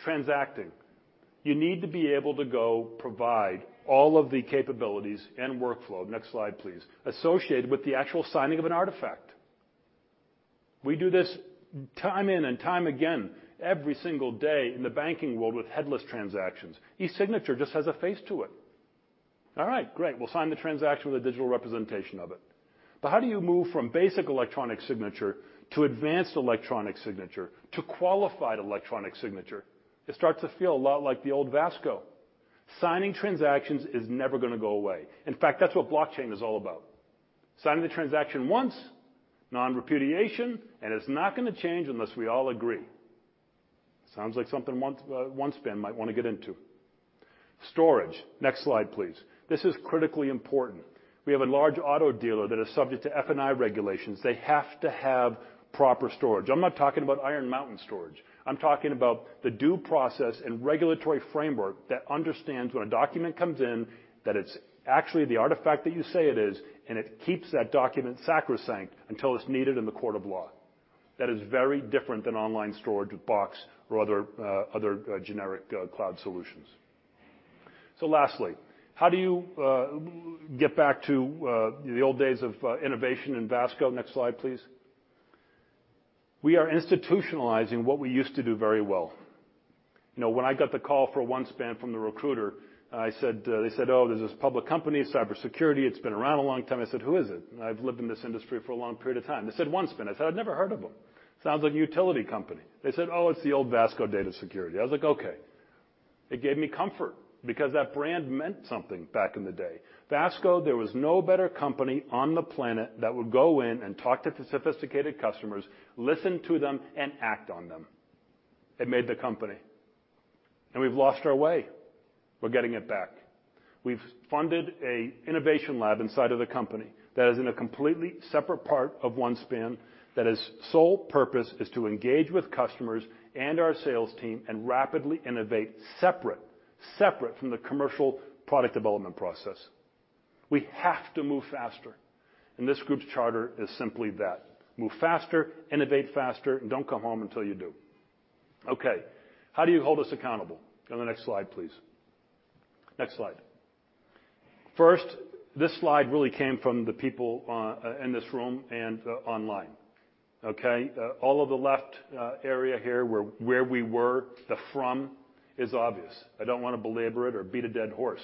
Transacting, you need to be able to go provide all of the capabilities and workflow, next slide please, associated with the actual signing of an artifact. We do this time in and time again every single day in the banking world with headless transactions. e-signature just has a face to it. All right, great. We'll sign the transaction with a digital representation of it. How do you move from basic electronic signature to advanced electronic signature to qualified electronic signature? It starts to feel a lot like the old Vasco. Signing transactions is never gonna go away. In fact, that's what blockchain is all about. Signing the transaction once, non-repudiation, and it's not gonna change unless we all agree. Sounds like something OneSpan might wanna get into. Storage, next slide please. This is critically important. We have a large auto dealer that is subject to F&I regulations. They have to have proper storage. I'm not talking about Iron Mountain storage. I'm talking about the due process and regulatory framework that understands when a document comes in, that it's actually the artifact that you say it is, and it keeps that document sacrosanct until it's needed in the court of law. That is very different than online storage with Box or other generic cloud solutions. Lastly, how do you get back to the old days of innovation in Vasco? Next slide, please. We are institutionalizing what we used to do very well. You know, when I got the call for OneSpan from the recruiter, I said, they said, "Oh, this is a public company, cybersecurity. It's been around a long time." I said, "Who is it?" I've lived in this industry for a long period of time. They said, "OneSpan." I said, "I've never heard of them. Sounds like a utility company." They said, "Oh, it's the old Vasco Data Security." I was like, "Okay." It gave me comfort because that brand meant something back in the day. Vasco, there was no better company on the planet that would go in and talk to the sophisticated customers, listen to them, and act on them. It made the company. We've lost our way. We're getting it back. We've funded an innovation lab inside of the company that is in a completely separate part of OneSpan that its sole purpose is to engage with customers and our sales team and rapidly innovate separate from the commercial product development process. We have to move faster, and this group's charter is simply that. Move faster, innovate faster, and don't come home until you do. Okay, how do you hold us accountable? Go to the next slide, please. Next slide. First, this slide really came from the people in this room and online, okay? All of the left area here where we were, the from is obvious. I don't wanna belabor it or beat a dead horse.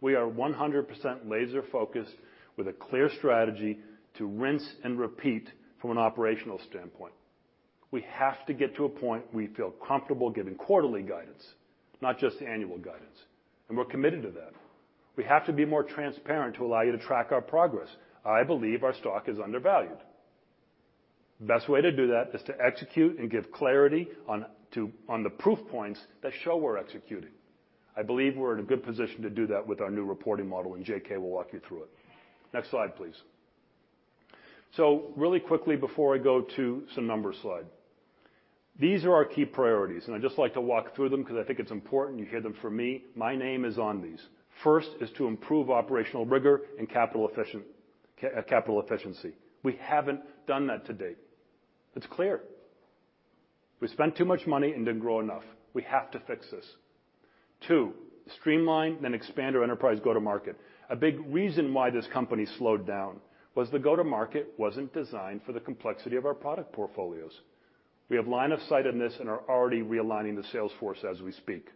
We are 100% laser-focused with a clear strategy to rinse and repeat from an operational standpoint. We have to get to a point we feel comfortable giving quarterly guidance, not just annual guidance, and we're committed to that. We have to be more transparent to allow you to track our progress. I believe our stock is undervalued. Best way to do that is to execute and give clarity on the proof points that show we're executing. I believe we're in a good position to do that with our new reporting model, and JK will walk you through it. Next slide, please. So really quickly before I go to some numbers slide. These are our key priorities, and I'd just like to walk through them 'cause I think it's important you hear them from me. My name is on these. First is to improve operational rigor and capital efficiency. We haven't done that to date. It's clear. We spent too much money and didn't grow enough. We have to fix this. Two, streamline then expand our enterprise go-to-market. A big reason why this company slowed down was the go-to-market wasn't designed for the complexity of our product portfolios. We have line of sight in this and are already realigning the sales force as we speak.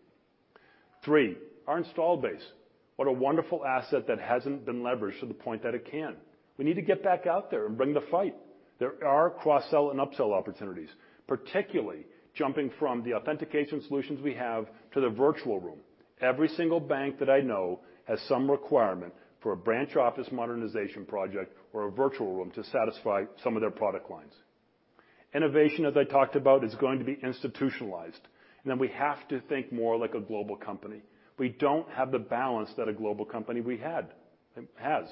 Three, our install base. What a wonderful asset that hasn't been leveraged to the point that it can. We need to get back out there and bring the fight. There are cross-sell and upsell opportunities, particularly jumping from the authentication solutions we have to the Virtual Room. Every single bank that I know has some requirement for a branch office modernization project or a Virtual Room to satisfy some of their product lines. Innovation, as I talked about, is going to be institutionalized. We have to think more like a global company. We don't have the balance that a global company has.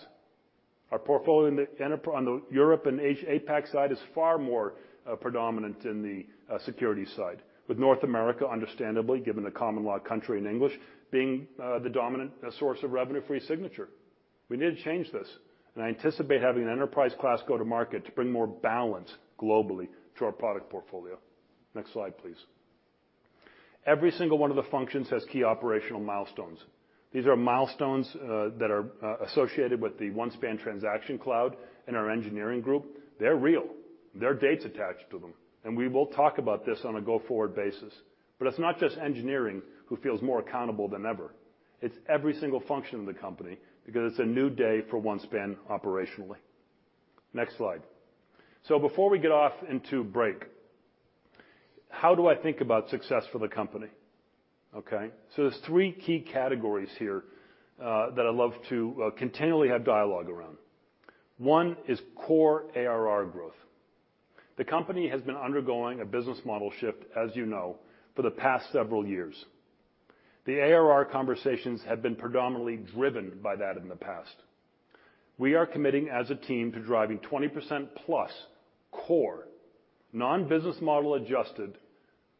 Our portfolio in the enterprise on the Europe and APAC side is far more predominant in the security side, with North America, understandably, given the common law country, and English being the dominant source of revenue for e-signature. We need to change this, and I anticipate having an enterprise class go-to-market to bring more balance globally to our product portfolio. Next slide, please. Every single one of the functions has key operational milestones. These are milestones that are associated with the OneSpan Transaction Cloud and our engineering group. They are real, there are dates attached to them, and we will talk about this on a go-forward basis. It's not just engineering who feels more accountable than ever. It's every single function of the company, because it's a new day for OneSpan operationally. Next slide. Before we get off into break, how do I think about success for the company? Okay, there's three key categories here that I love to continually have dialogue around. One is core ARR growth. The company has been undergoing a business model shift, as you know, for the past several years. The ARR conversations have been predominantly driven by that in the past. We are committing as a team to driving 20%+ core non-business model adjusted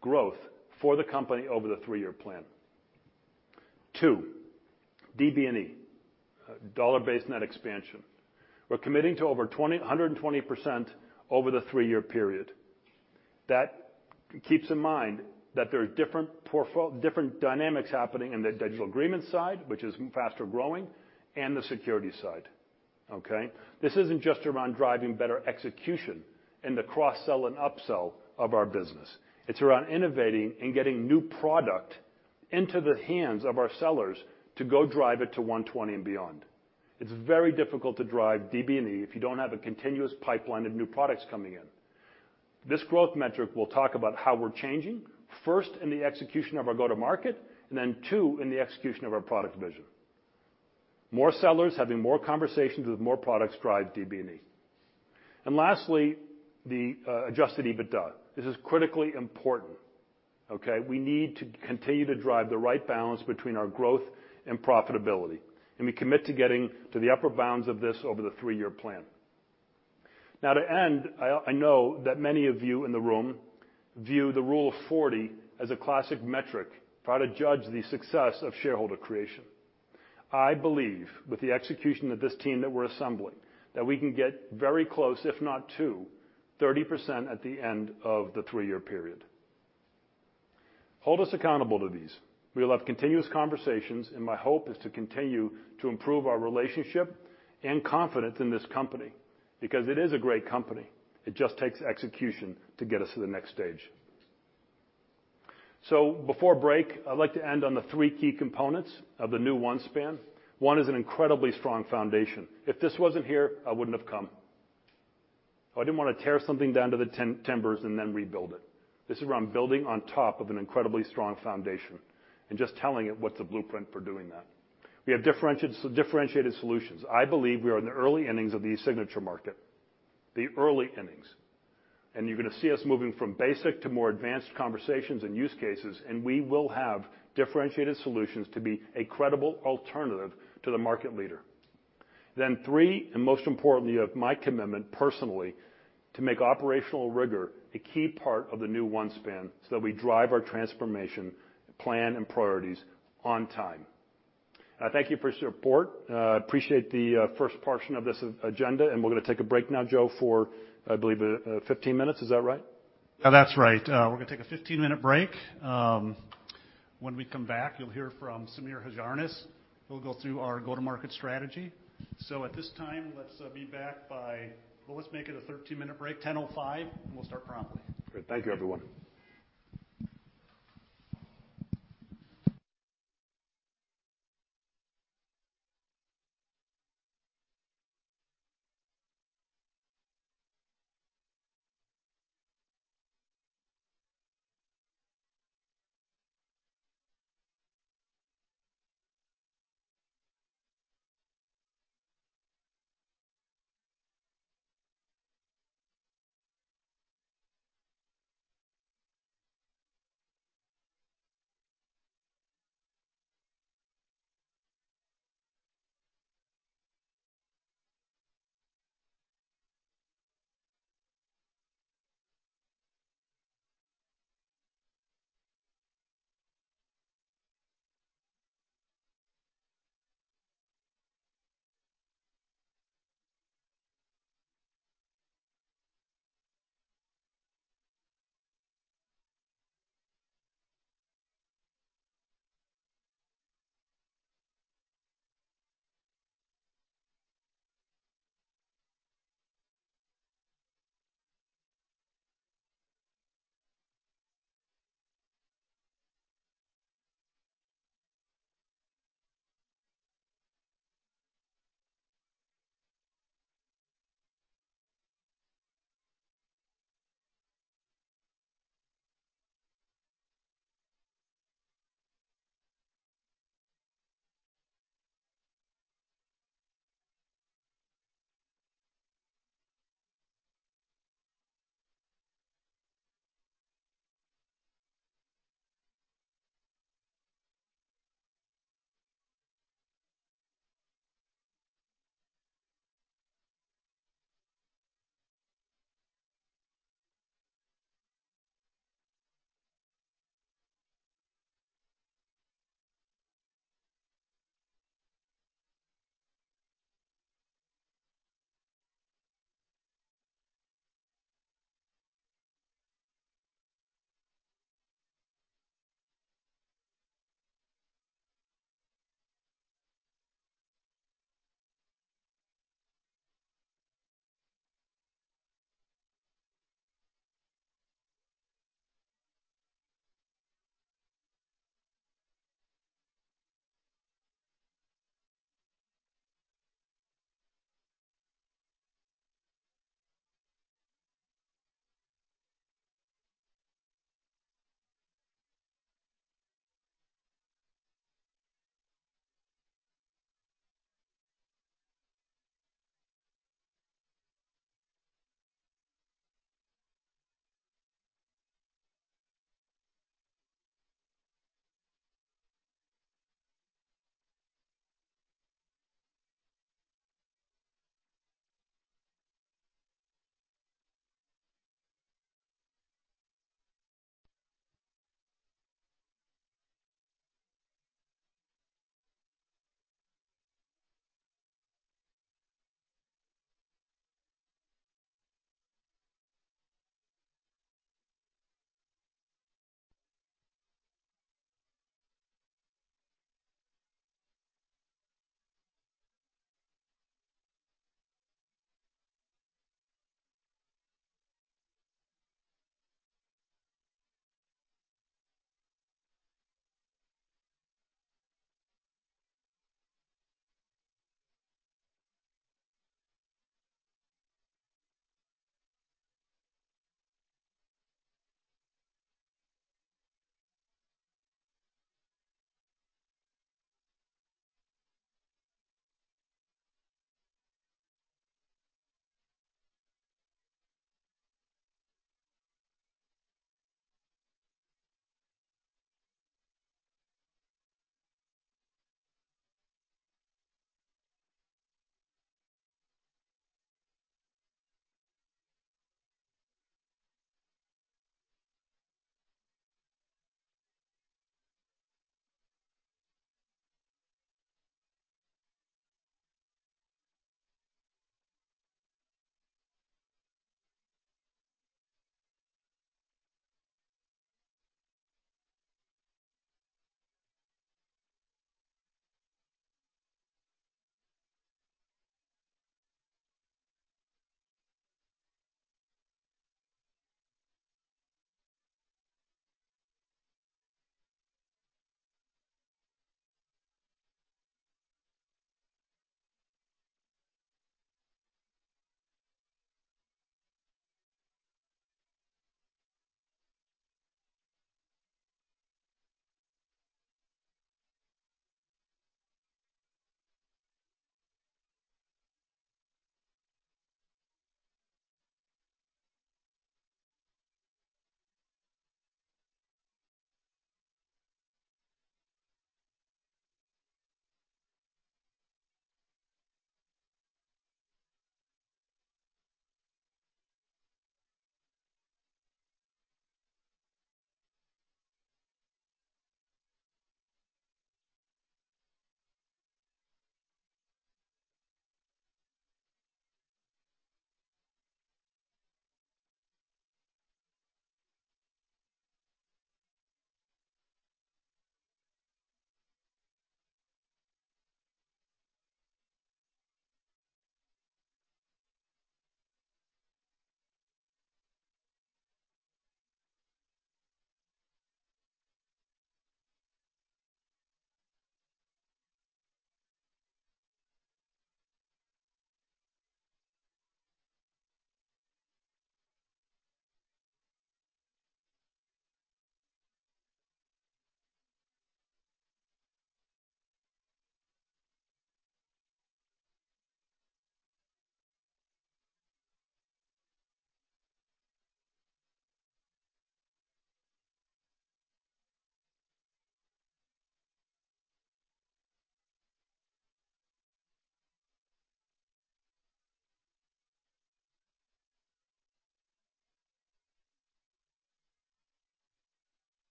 growth for the company over the three-year plan. Two, DBNE, Dollar-Based Net Expansion. We're committing to over 120% over the three-year period. That keeps in mind that there are different dynamics happening in the digital agreement side, which is faster growing, and the security side.. Okay? This isn't just around driving better execution in the cross-sell and upsell of our business. It's around innovating and getting new product into the hands of our sellers to go drive it to 120 and beyond. It's very difficult to drive DBNE if you don't have a continuous pipeline of new products coming in. This growth metric will talk about how we're changing, first in the execution of our go-to-market, and then two, in the execution of our product vision. More sellers having more conversations with more products drive DBNE. Lastly, the adjusted EBITDA. This is critically important, okay? We need to continue to drive the right balance between our growth and profitability, and we commit to getting to the upper bounds of this over the three-year plan. Now, to end, I know that many of you in the room view the Rule of 40 as a classic metric for how to judge the success of shareholder value creation. I believe with the execution of this team that we're assembling, that we can get very close, if not to 30% at the end of the three year period. Hold us accountable to these. We will have continuous conversations, and my hope is to continue to improve our relationship and confidence in this company because it is a great company. It just takes execution to get us to the next stage. Before break, I'd like to end on the three key components of the new OneSpan. One is an incredibly strong foundation. If this wasn't here, I wouldn't have come. I didn't want to tear something down to its timbers and then rebuild it. This is around building on top of an incredibly strong foundation and just telling it what's the blueprint for doing that. We have differentiated solutions. I believe we are in the early innings of the e-signature market, the early innings. You're gonna see us moving from basic to more advanced conversations and use cases, and we will have differentiated solutions to be a credible alternative to the market leader. Then three, and most importantly, you have my commitment personally to make operational rigor a key part of the new OneSpan so that we drive our transformation plan and priorities on time. I thank you for your support. I appreciate the first portion of this agenda, and we're gonna take a break now, Joe, for, I believe, 15 minutes. Is that right? Yeah, that's right. We're gonna take a 15-minute break. When we come back, you'll hear from Sameer Hajarnis, who'll go through our go-to-market strategy. At this time, let's be back by 10:05. Well, let's make it a 13-minute break, and we'll start promptly. Great. Thank you, everyone.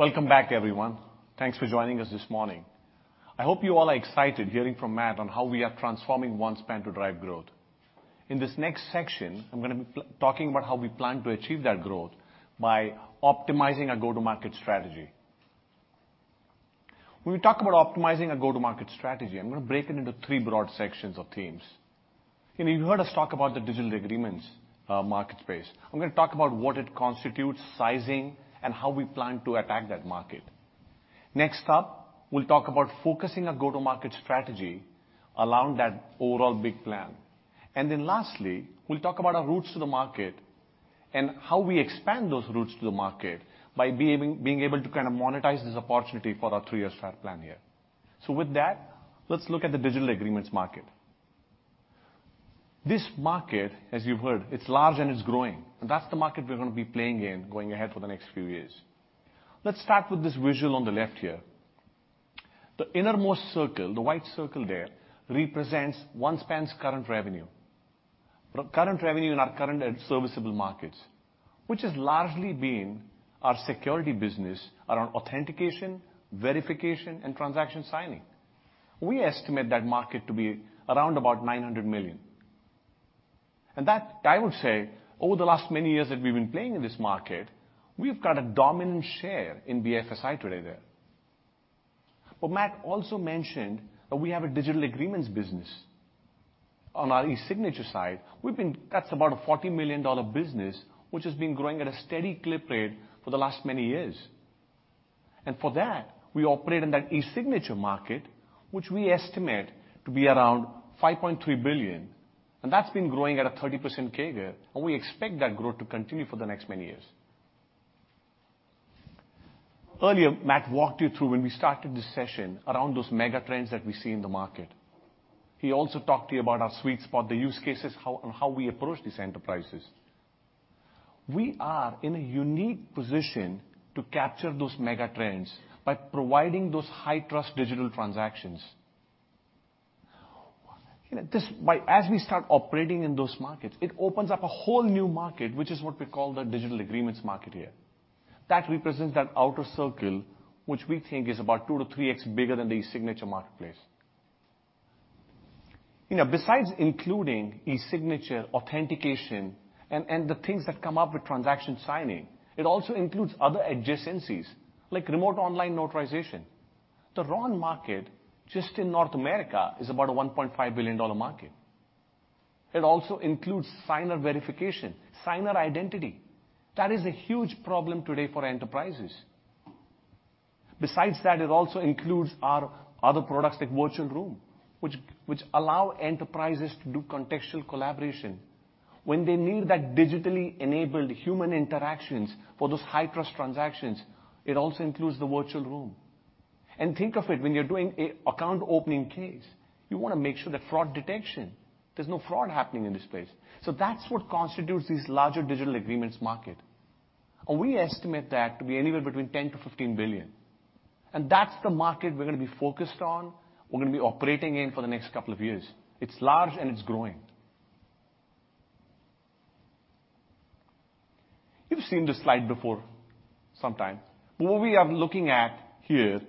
Welcome back, everyone. Thanks for joining us this morning. I hope you all are excited hearing from Matt on how we are transforming OneSpan to drive growth. In this next section, I'm gonna be talking about how we plan to achieve that growth by optimizing our go-to-market strategy. When we talk about optimizing our go-to-market strategy, I'm gonna break it into three broad sections or themes. You know, you heard us talk about the digital agreements market space. I'm gonna talk about what it constitutes, sizing, and how we plan to attack that market. Next up, we'll talk about focusing our go-to-market strategy around that overall big plan. Lastly, we'll talk about our routes to the market and how we expand those routes to the market by being able to kind of monetize this opportunity for our three-year strat plan here. With that, let's look at the digital agreements market. This market, as you've heard, it's large and it's growing, and that's the market we're gonna be playing in going ahead for the next few years. Let's start with this visual on the left here. The innermost circle, the white circle there, represents OneSpan's current revenue. Current revenue in our current and serviceable markets, which has largely been our security business around authentication, verification, and transaction signing. We estimate that market to be around about $900 million. That, I would say, over the last many years that we've been playing in this market, we've got a dominant share in BFSI today there. Matt also mentioned that we have a digital agreements business. On our e-signature side, we've been. That's about a $40 million business, which has been growing at a steady clip rate for the last many years. For that, we operate in that e-signature market, which we estimate to be around $5.3 billion, and that's been growing at a 30% CAGR, and we expect that growth to continue for the next many years. Earlier, Matt walked you through when we started this session around those mega trends that we see in the market. He also talked to you about our sweet spot, the use cases, how, and how we approach these enterprises. We are in a unique position to capture those mega trends by providing those high-trust digital transactions. You know, as we start operating in those markets, it opens up a whole new market, which is what we call the digital agreements market here. That represents that outer circle, which we think is about 2-3x bigger than the e-signature marketplace. You know, besides including e-signature authentication and the things that come up with transaction signing, it also includes other adjacencies, like remote online notarization. The RON market, just in North America, is about a $1.5 billion market. It also includes signer verification, signer identity. That is a huge problem today for enterprises. Besides that, it also includes our other products like Virtual Room, which allow enterprises to do contextual collaboration. When they need that digitally enabled human interactions for those high-trust transactions, it also includes the Virtual Room. Think of it, when you're doing a account opening case, you wanna make sure that fraud detection, there's no fraud happening in this space. That's what constitutes this larger digital agreements market. We estimate that to be anywhere between $10 billion-$15 billion. That's the market we're gonna be focused on, we're gonna be operating in for the next couple of years. It's large, and it's growing. You've seen this slide before sometime. What we are looking at here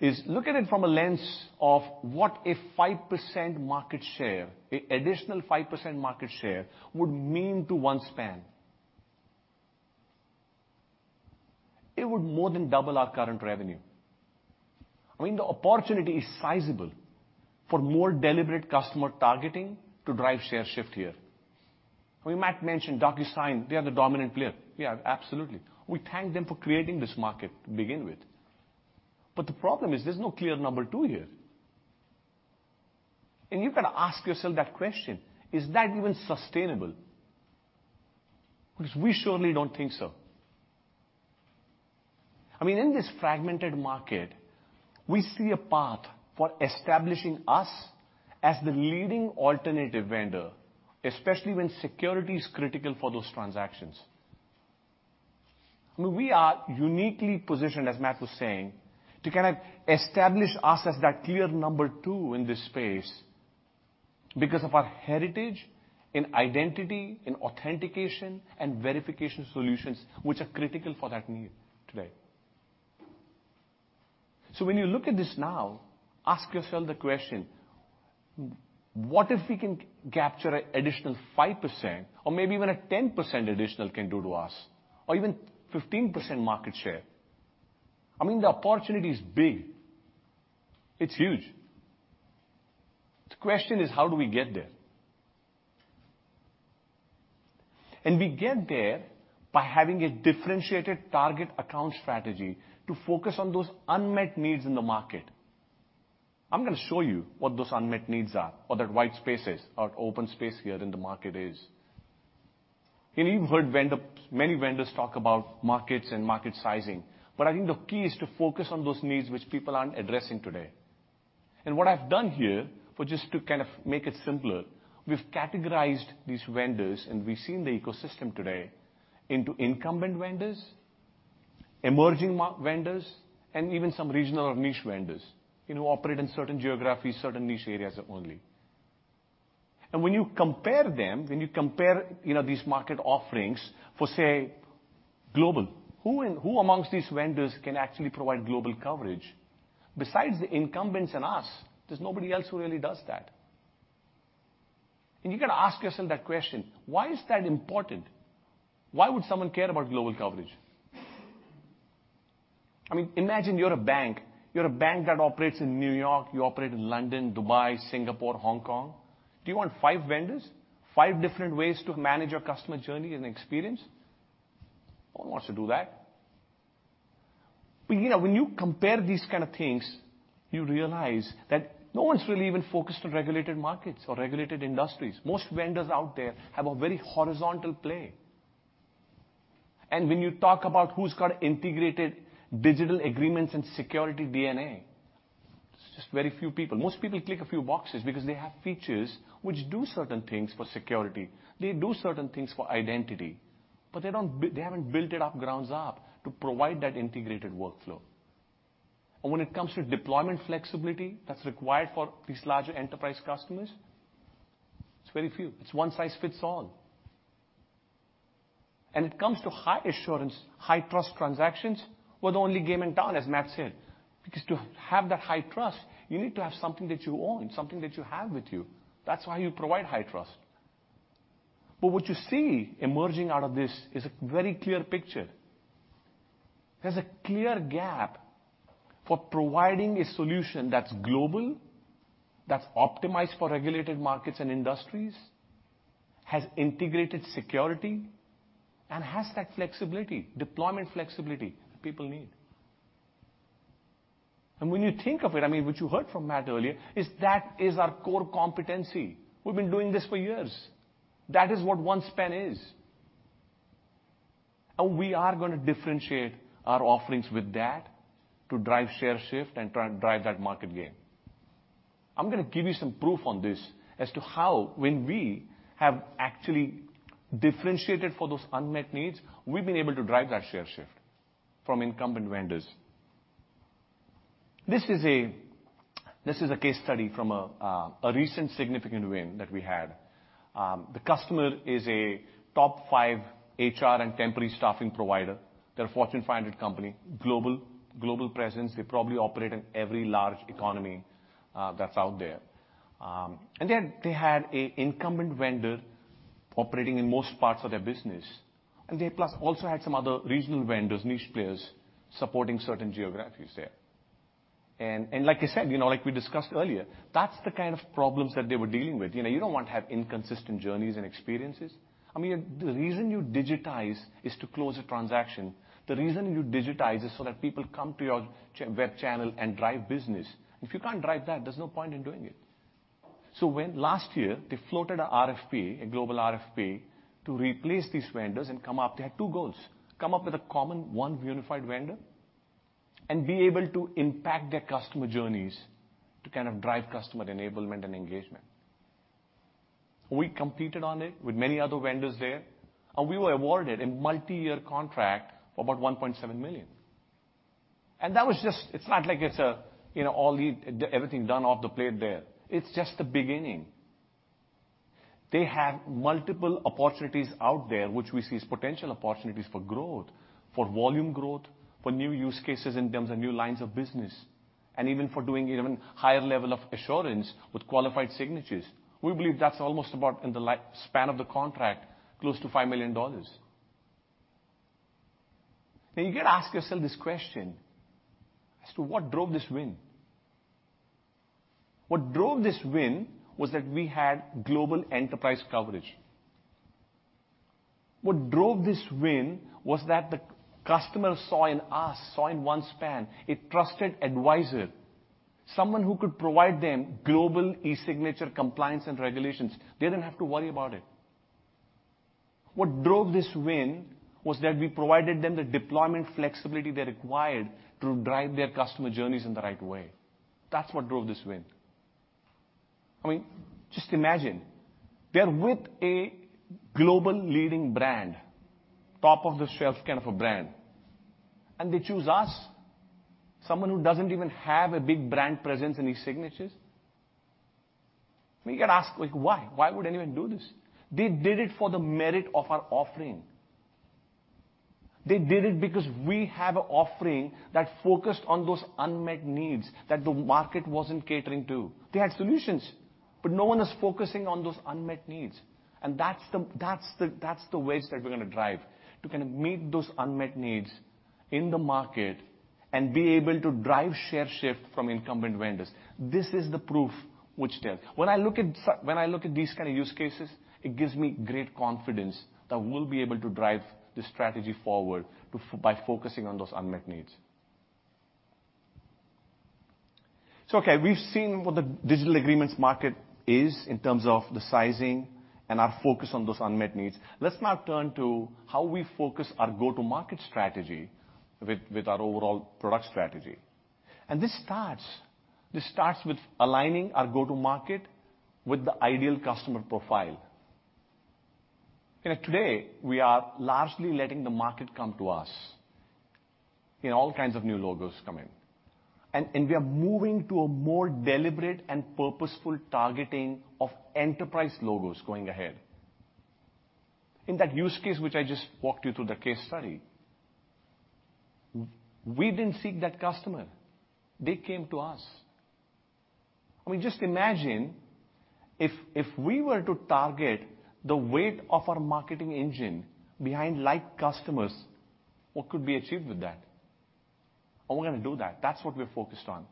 is look at it from a lens of what a 5% market share, a additional 5% market share would mean to OneSpan. It would more than double our current revenue. I mean, the opportunity is sizable for more deliberate customer targeting to drive share shift here. We might mention DocuSign, they are the dominant player. Yeah, absolutely. We thank them for creating this market to begin with. But the problem is there's no clear number two here. You can ask yourself that question. Is that even sustainable? Because we surely don't think so. I mean, in this fragmented market, we see a path for establishing us as the leading alternative vendor, especially when security is critical for those transactions. I mean, we are uniquely positioned, as Matt was saying, to kind of establish us as that clear number two in this space because of our heritage in identity, in authentication, and verification solutions, which are critical for that need today. When you look at this now, ask yourself the question, what if we can capture an additional 5% or maybe even a 10% additional, what can that do for us, or even 15% market share? I mean, the opportunity is big. It's huge. The question is, how do we get there? We get there by having a differentiated target account strategy to focus on those unmet needs in the market. I'm gonna show you what those unmet needs are or that white space is or open space here in the market is. You've heard many vendors talk about markets and market sizing, but I think the key is to focus on those needs which people aren't addressing today. What I've done here, for just to kind of make it simpler, we've categorized these vendors, and we've seen the ecosystem today into incumbent vendors, emerging vendors, and even some regional or niche vendors who operate in certain geographies, certain niche areas only. When you compare them, you know, these market offerings for, say, global, who amongst these vendors can actually provide global coverage? Besides the incumbents and us, there's nobody else who really does that. You gotta ask yourself that question, why is that important? Why would someone care about global coverage? I mean, imagine you're a bank. You're a bank that operates in New York, you operate in London, Dubai, Singapore, Hong Kong. Do you want five vendors, five different ways to manage your customer journey and experience? No one wants to do that. You know, when you compare these kind of things, you realize that no one's really even focused on regulated markets or regulated industries. Most vendors out there have a very horizontal play. When you talk about who's got integrated digital agreements and security DNA, it's just very few people. Most people tick a few boxes because they have features which do certain things for security. They do certain things for identity. They haven't built it from the ground up to provide that integrated workflow. When it comes to deployment flexibility that's required for these larger enterprise customers, it's very few. It's one size fits all. When it comes to high assurance, high-trust transactions, we're the only game in town, as Matt said. Because to have that high trust, you need to have something that you own, something that you have with you. That's why you provide high trust. What you see emerging out of this is a very clear picture. There's a clear gap for providing a solution that's global, that's optimized for regulated markets and industries, has integrated security, and has that flexibility, deployment flexibility people need. When you think of it, I mean, what you heard from Matt earlier is, that is our core competency. We've been doing this for years. That is what OneSpan is. We are gonna differentiate our offerings with that to drive share shift and try and drive that market gain. I'm gonna give you some proof on this as to how when we have actually differentiated for those unmet needs, we've been able to drive that share shift from incumbent vendors. This is a case study from a recent significant win that we had. The customer is a top five HR and temporary staffing provider. They're a Fortune 500 company, global presence. They probably operate in every large economy that's out there. They had an incumbent vendor operating in most parts of their business, and they plus also had some other regional vendors, niche players supporting certain geographies there. Like I said, you know, like we discussed earlier, that's the kind of problems that they were dealing with. You know, you don't want to have inconsistent journeys and experiences. I mean, the reason you digitize is to close a transaction. The reason you digitize is so that people come to your web channel and drive business. If you can't drive that, there's no point in doing it. When last year they floated an RFP, a global RFP, to replace these vendors. They had two goals. Come up with a common one unified vendor, and be able to impact their customer journeys to kind of drive customer enablement and engagement. We competed on it with many other vendors there, and we were awarded a multi-year contract of about $1.7 million. That was just. It's not like it's all the everything done out of the gate there. It's just the beginning. They have multiple opportunities out there which we see as potential opportunities for growth, for volume growth, for new use cases in terms of new lines of business, and even for doing even higher level of assurance with qualified signatures. We believe that's almost about, in the life span of the contract, close to $5 million. Now, you gotta ask yourself this question as to what drove this win. What drove this win was that we had global enterprise coverage. What drove this win was that the customer saw in us, saw in OneSpan, a trusted advisor, someone who could provide them global e-signature compliance and regulations. They didn't have to worry about it. What drove this win was that we provided them the deployment flexibility they required to drive their customer journeys in the right way. That's what drove this win. I mean, just imagine they're with a global leading brand, top of the shelf kind of a brand, and they choose us, someone who doesn't even have a big brand presence in e-signatures. I mean, you gotta ask, like, why? Why would anyone do this? They did it for the merit of our offering. They did it because we have a offering that focused on those unmet needs that the market wasn't catering to. They had solutions, but no one was focusing on those unmet needs. That's the wedge that we're gonna drive to kind of meet those unmet needs in the market and be able to drive share shift from incumbent vendors. This is the proof which tells. When I look at these kind of use cases, it gives me great confidence that we'll be able to drive the strategy forward by focusing on those unmet needs. We've seen what the digital agreements market is in terms of the sizing and our focus on those unmet needs. Let's now turn to how we focus our go-to-market strategy with our overall product strategy. This starts with aligning our go-to-market with the ideal customer profile. You know, today, we are largely letting the market come to us. You know, all kinds of new logos come in. We are moving to a more deliberate and purposeful targeting of enterprise logos going ahead. In that use case which I just walked you through the case study, we didn't seek that customer. They came to us. I mean, just imagine if we were to target the weight of our marketing engine behind like customers, what could be achieved with that? We're gonna do that. That's what we're focused on.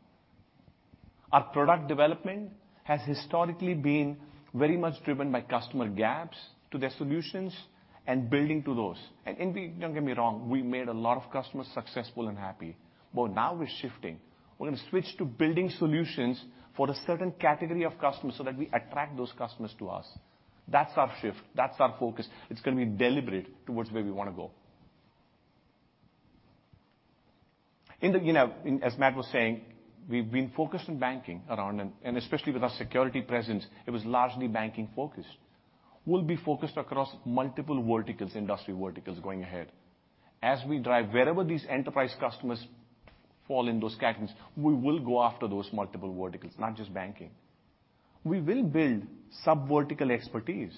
Our product development has historically been very much driven by customer gaps to their solutions and building to those. Don't get me wrong, we made a lot of customers successful and happy. Now we're shifting. We're gonna switch to building solutions for a certain category of customers so that we attract those customers to us. That's our shift. That's our focus. It's gonna be deliberate towards where we wanna go. As Matt was saying, we've been focused on banking and especially with our security presence, it was largely banking-focused. We'll be focused across multiple verticals, industry verticals going ahead. As we drive wherever these enterprise customers fall in those categories, we will go after those multiple verticals, not just banking. We will build sub-vertical expertise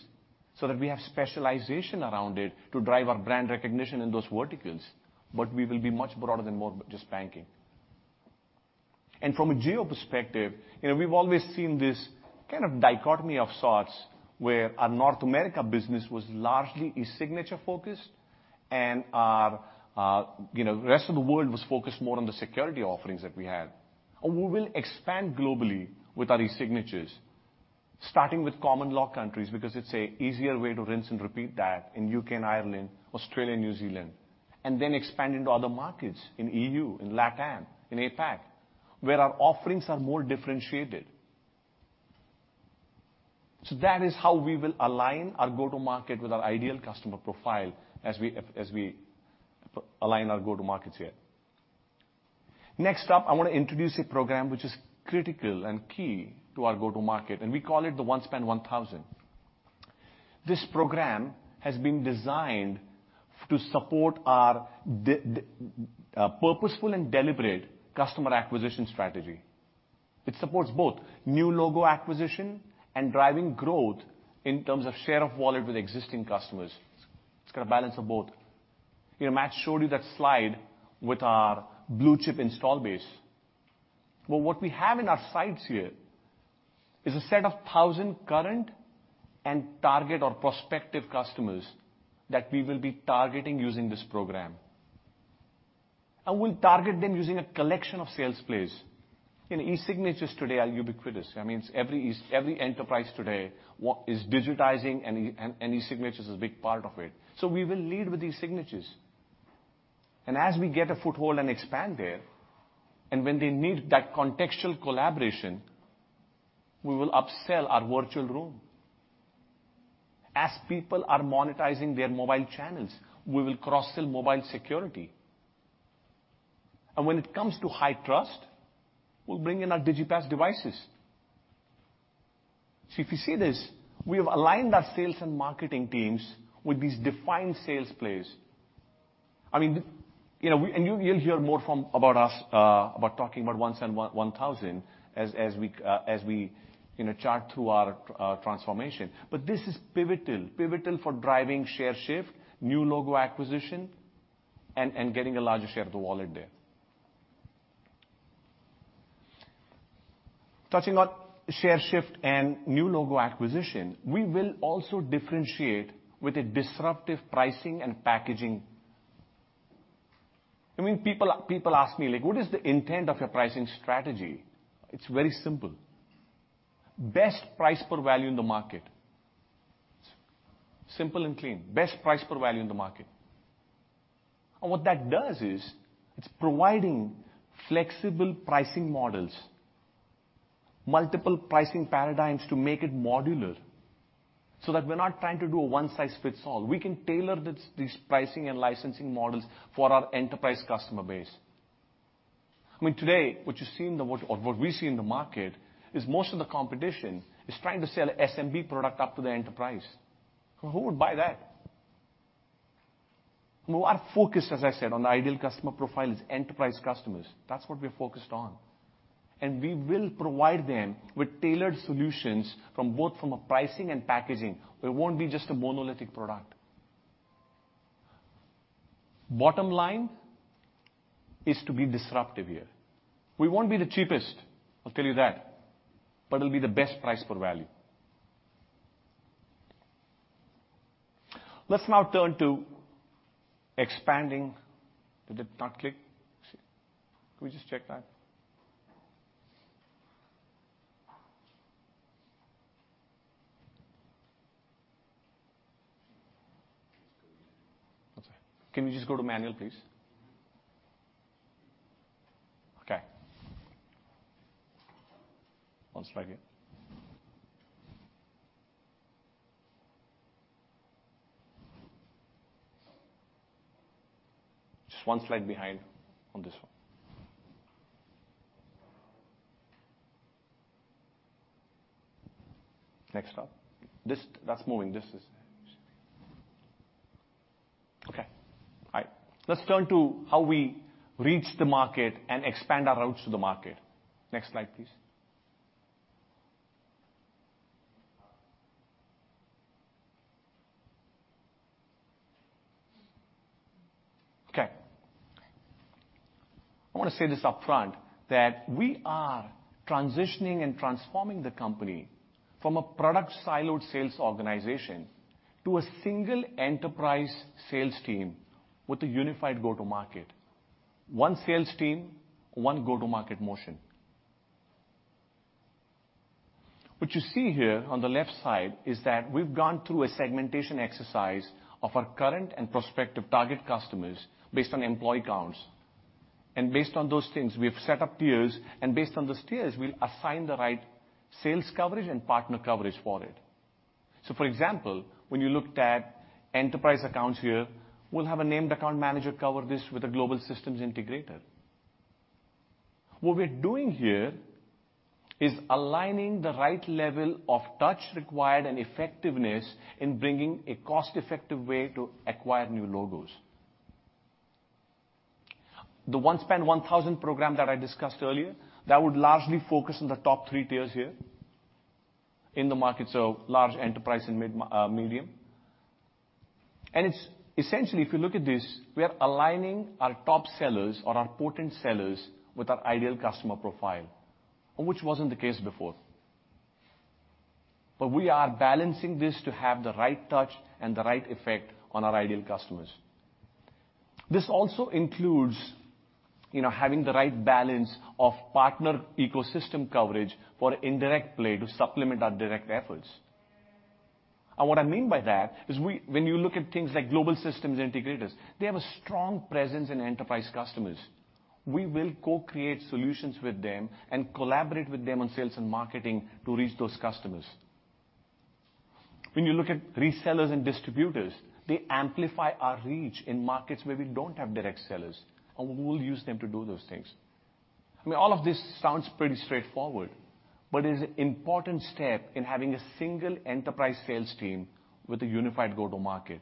so that we have specialization around it to drive our brand recognition in those verticals, but we will be much broader than just banking. From a geo perspective, you know, we've always seen this kind of dichotomy of sorts, where our North America business was largely e-signature-focused and our, you know, rest of the world was focused more on the security offerings that we had. We will expand globally with our e-signatures, starting with common law countries because it's a easier way to rinse and repeat that in U.K. and Ireland, Australia and New Zealand. Then expand into other markets in EU, in LATAM, in APAC, where our offerings are more differentiated. That is how we will align our go-to market with our ideal customer profile as we align our go-to markets here. Next up, I wanna introduce a program which is critical and key to our go-to market, and we call it the OneSpan One Thousand. This program has been designed to support our purposeful and deliberate customer acquisition strategy. It supports both new logo acquisition and driving growth in terms of share of wallet with existing customers. It's got a balance of both. You know, Matt showed you that slide with our blue chip install base. Well, what we have in our sights here is a set of 1,000 current and target or prospective customers that we will be targeting using this program. We'll target them using a collection of sales plays. You know, e-signatures today are ubiquitous. That means every enterprise today is digitizing, and e-signatures is a big part of it. We will lead with e-signatures. As we get a foothold and expand there, and when they need that contextual collaboration, we will upsell our Virtual Room. As people are monetizing their mobile channels, we will cross-sell mobile security. When it comes to high trust, we'll bring in our Digipass devices. If you see this, we have aligned our sales and marketing teams with these defined sales plays. I mean, you know, we and you'll hear more from about us about talking about OneSpan One Thousand as we, you know, chart through our transformation. This is pivotal for driving share shift, new logo acquisition, and getting a larger share of the wallet there. Touching on share shift and new logo acquisition, we will also differentiate with a disruptive pricing and packaging. I mean, people ask me, like, "What is the intent of your pricing strategy?" It's very simple. Best price per value in the market. Simple and clean. Best price per value in the market. What that does is it's providing flexible pricing models, multiple pricing paradigms to make it modular so that we're not trying to do a one size fits all. We can tailor this, these pricing and licensing models for our enterprise customer base. I mean, today, what we see in the market is most of the competition is trying to sell SMB product up to the enterprise. Who would buy that? Well, our focus, as I said, on the ideal customer profile is enterprise customers. That's what we're focused on. We will provide them with tailored solutions from both a pricing and packaging. It won't be just a monolithic product. Bottom line is to be disruptive here. We won't be the cheapest, I'll tell you that, but it'll be the best price per value. Let's now turn to expanding. Did it not click? Can we just check that? Let's go manual. Okay. Can we just go to manual, please? Okay. One slide here. Just one slide behind on this one. Next up. Okay. All right. Let's turn to how we reach the market and expand our routes to the market. Next slide, please. Okay. I wanna say this upfront, that we are transitioning and transforming the company from a product siloed sales organization to a single enterprise sales team with a unified go-to-market. One sales team, one go-to-market motion. What you see here on the left side is that we've gone through a segmentation exercise of our current and prospective target customers based on employee counts. Based on those things, we have set up tiers, and based on those tiers, we assign the right sales coverage and partner coverage for it. For example, when you looked at enterprise accounts here, we'll have a named account manager cover this with a global systems integrator. What we're doing here is aligning the right level of touch required and effectiveness in bringing a cost-effective way to acquire new logos. The OneSpan 1,000 program that I discussed earlier, that would largely focus on the top three tiers here in the market, so large enterprise and medium. It's essentially, if you look at this, we are aligning our top sellers or our potent sellers with our ideal customer profile, which wasn't the case before. We are balancing this to have the right touch and the right effect on our ideal customers. This also includes, you know, having the right balance of partner ecosystem coverage for indirect play to supplement our direct efforts. What I mean by that is, when you look at things like global systems integrators, they have a strong presence in enterprise customers. We will co-create solutions with them and collaborate with them on sales and marketing to reach those customers. When you look at resellers and distributors, they amplify our reach in markets where we don't have direct sellers, and we will use them to do those things. I mean, all of this sounds pretty straightforward, but it is an important step in having a single enterprise sales team with a unified go-to-market.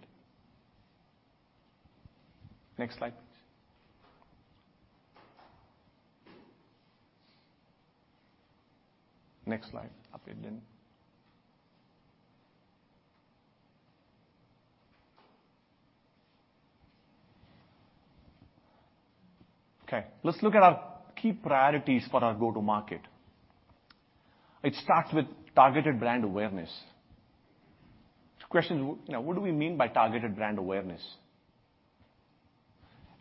Next slide. Next slide. And then. Okay, let's look at our key priorities for our go-to-market. It starts with targeted brand awareness. The question, you know, what do we mean by targeted brand awareness?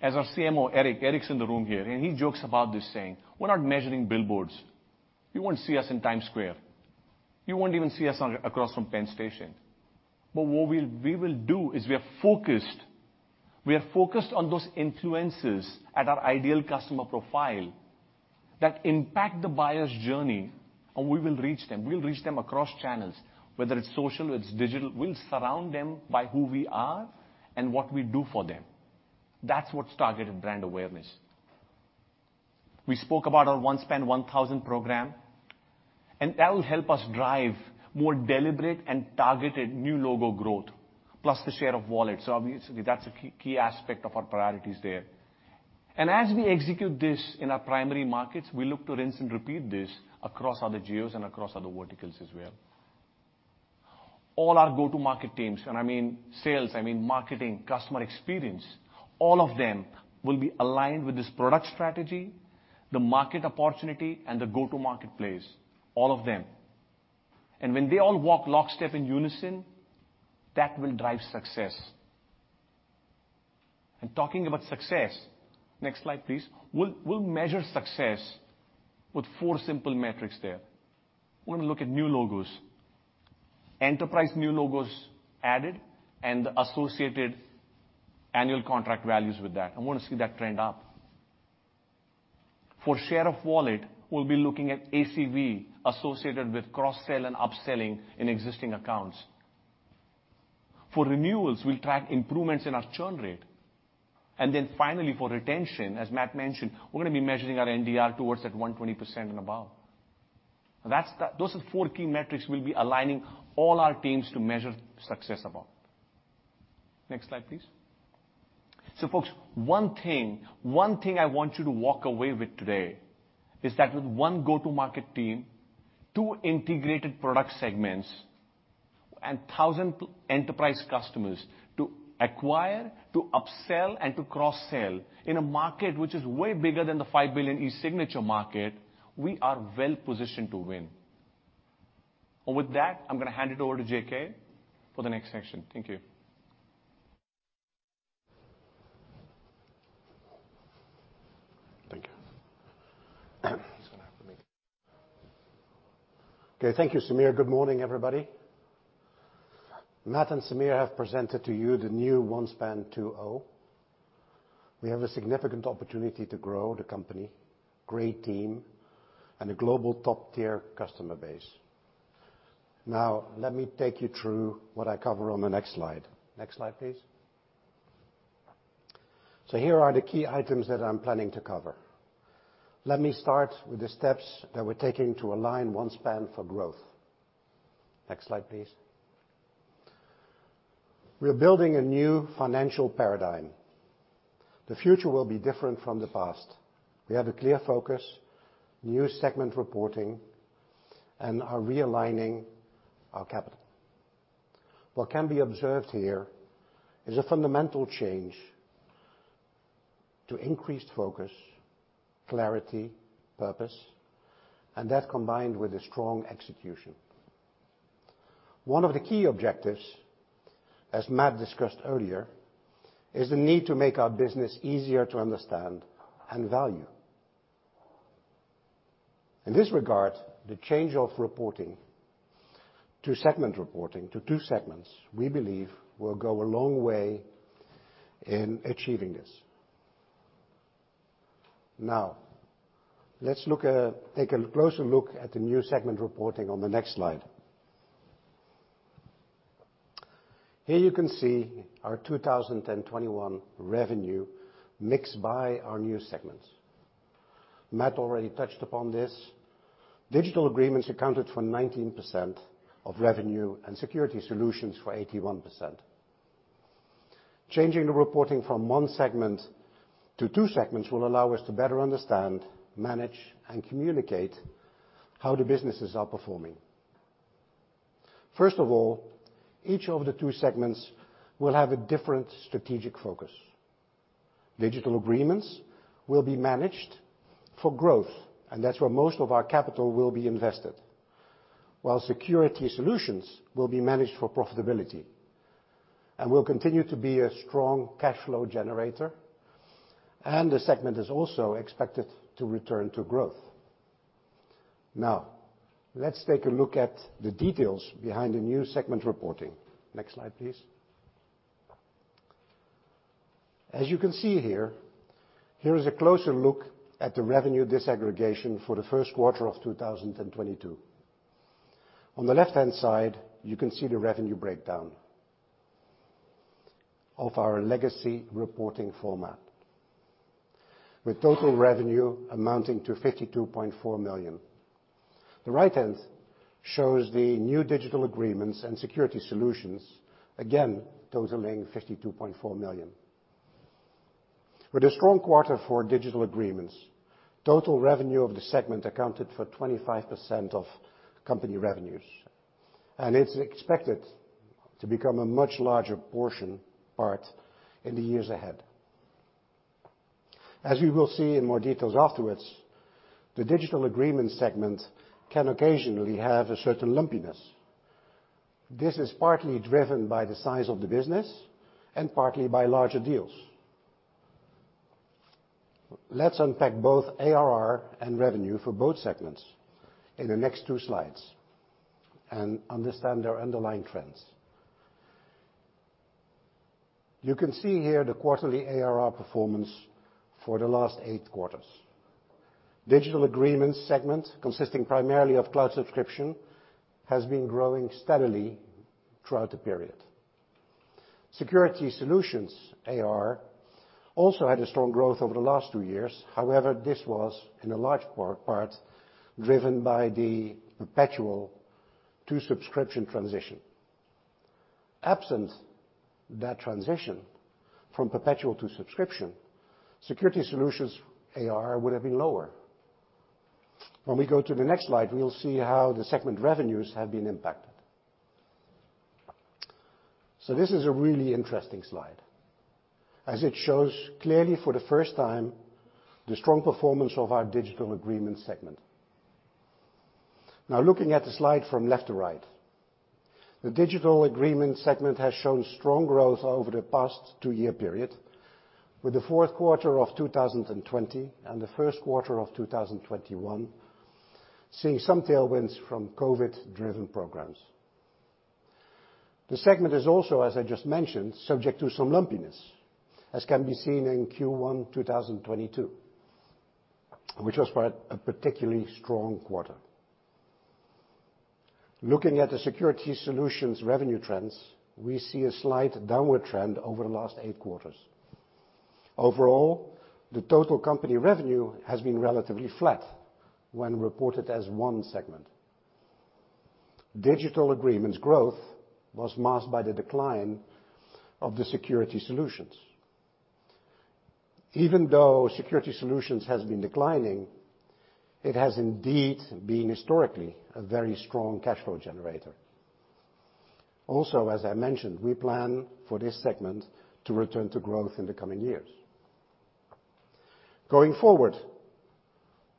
As our CMO, Eric's in the room here, and he jokes about this saying, "We're not measuring billboards. You won't see us in Times Square. You won't even see us across from Penn Station." What we will do is we are focused on those influences at our ideal customer profile that impact the buyer's journey, and we will reach them. We'll reach them across channels, whether it's social, whether it's digital. We'll surround them by who we are and what we do for them. That's what's targeted brand awareness. We spoke about our OneSpan 1,000 program, and that will help us drive more deliberate and targeted new logo growth, plus the share of wallet. Obviously that's a key aspect of our priorities there. As we execute this in our primary markets, we look to rinse and repeat this across other geos and across other verticals as well. All our go-to-market teams, and I mean sales, I mean marketing, customer experience, all of them will be aligned with this product strategy, the market opportunity, and the go-to-market place, all of them. When they all walk lockstep in unison, that will drive success. Talking about success, next slide, please. We'll measure success with four simple metrics there. We're gonna look at new logos. Enterprise new logos added and associated annual contract values with that. I wanna see that trend up. For share of wallet, we'll be looking at ACV associated with cross-sell and upselling in existing accounts. For renewals, we'll track improvements in our churn rate. Then finally, for retention, as Matt mentioned, we're gonna be measuring our NDR towards that 120% and above. Those are the four key metrics we'll be aligning all our teams to measure success about. Next slide, please. Folks, one thing I want you to walk away with today is that with one go-to-market team, two integrated product segments, and 1,000 enterprise customers to acquire, to upsell, and to cross-sell in a market which is way bigger than the $5 billion e-signature market, we are well positioned to win. With that, I'm gonna hand it over to JK for the next section. Thank you. Thank you. Okay, thank you, Sameer. Good morning, everybody. Matt and Sameer have presented to you the new OneSpan 2.0. We have a significant opportunity to grow the company, great team, and a global top-tier customer base. Now, let me take you through what I cover on the next slide. Next slide, please. So here are the key items that I'm planning to cover. Let me start with the steps that we're taking to align OneSpan for growth. Next slide, please. We're building a new financial paradigm. The future will be different from the past. We have a clear focus, new segment reporting, and are realigning our capital. What can be observed here is a fundamental change to increased focus, clarity, purpose, and that combined with a strong execution. One of the key objectives, as Matt discussed earlier, is the need to make our business easier to understand and value. In this regard, the change of reporting to segment reporting to two segments, we believe will go a long way in achieving this. Now, let's look, take a closer look at the new segment reporting on the next slide. Here you can see our 2021 revenue mix by our new segments. Matt already touched upon this. Digital agreements accounted for 19% of revenue and security solutions for 81%. Changing the reporting from one segment to two segments will allow us to better understand, manage, and communicate how the businesses are performing. First of all, each of the two segments will have a different strategic focus. Digital agreements will be managed for growth, and that's where most of our capital will be invested. While security solutions will be managed for profitability and will continue to be a strong cash flow generator, and the segment is also expected to return to growth. Now let's take a look at the details behind the new segment reporting. Next slide, please. As you can see here is a closer look at the revenue disaggregation for the first quarter of 2022. On the left-hand side, you can see the revenue breakdown of our legacy reporting format with total revenue amounting to $52.4 million. The right-hand shows the new digital agreements and security solutions, again totaling $52.4 million. With a strong quarter for digital agreements, total revenue of the segment accounted for 25% of company revenues, and it's expected to become a much larger portion part in the years ahead. As you will see in more details afterwards, the digital agreements segment can occasionally have a certain lumpiness. This is partly driven by the size of the business and partly by larger deals. Let's unpack both ARR and revenue for both segments in the next two slides and understand their underlying trends. You can see here the quarterly ARR performance for the last eight quarters. Digital agreements segment, consisting primarily of cloud subscription, has been growing steadily throughout the period. Security solutions ARR also had a strong growth over the last two years. However, this was in a large part driven by the perpetual to subscription transition. Absent that transition from perpetual to subscription, security solutions ARR would have been lower. When we go to the next slide, we will see how the segment revenues have been impacted. This is a really interesting slide as it shows clearly for the first time the strong performance of our Digital Agreements segment. Now, looking at the slide from left to right, the Digital Agreements segment has shown strong growth over the past two year period, with the fourth quarter of 2020 and the first quarter of 2021 seeing some tailwinds from COVID-driven programs. The segment is also, as I just mentioned, subject to some lumpiness, as can be seen in Q1 2022, which was quite a particularly strong quarter. Looking at the Security Solutions revenue trends, we see a slight downward trend over the last 8 quarters. Overall, the total company revenue has been relatively flat when reported as one segment. Digital Agreements growth was masked by the decline of the Security Solutions. Even though security solutions has been declining, it has indeed been historically a very strong cash flow generator. Also, as I mentioned, we plan for this segment to return to growth in the coming years. Going forward, we will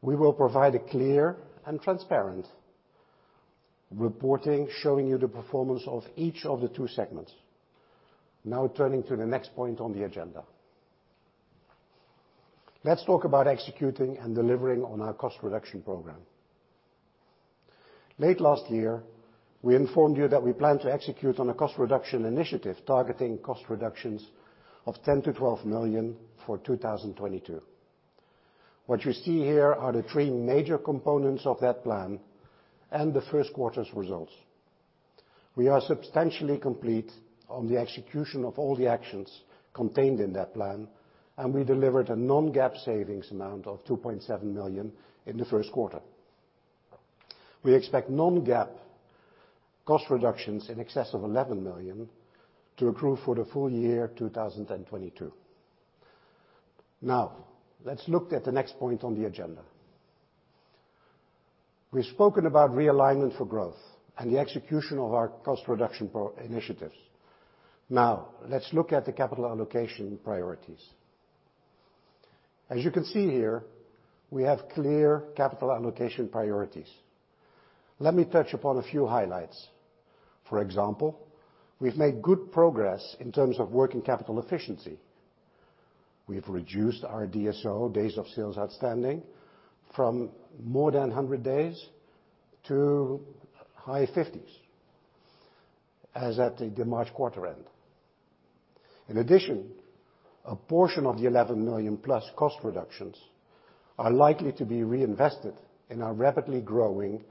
provide a clear and transparent reporting showing you the performance of each of the two segments. Now turning to the next point on the agenda. Let's talk about executing and delivering on our cost reduction program. Late last year, we informed you that we plan to execute on a cost reduction initiative targeting cost reductions of $10 million-$12 million for 2022. What you see here are the three major components of that plan and the first quarter's results. We are substantially complete on the execution of all the actions contained in that plan, and we delivered a non-GAAP savings amount of $2.7 million in the first quarter. We expect non-GAAP cost reductions in excess of $11 million to accrue for the full year 2022. Now let's look at the next point on the agenda. We've spoken about realignment for growth and the execution of our cost reduction initiatives. Now let's look at the capital allocation priorities. As you can see here, we have clear capital allocation priorities. Let me touch upon a few highlights. For example, we've made good progress in terms of working capital efficiency. We've reduced our DSO, days of sales outstanding, from more than 100 days to high 50s as at the March quarter end. In addition, a portion of the $11 million-plus cost reductions are likely to be reinvested in our rapidly growing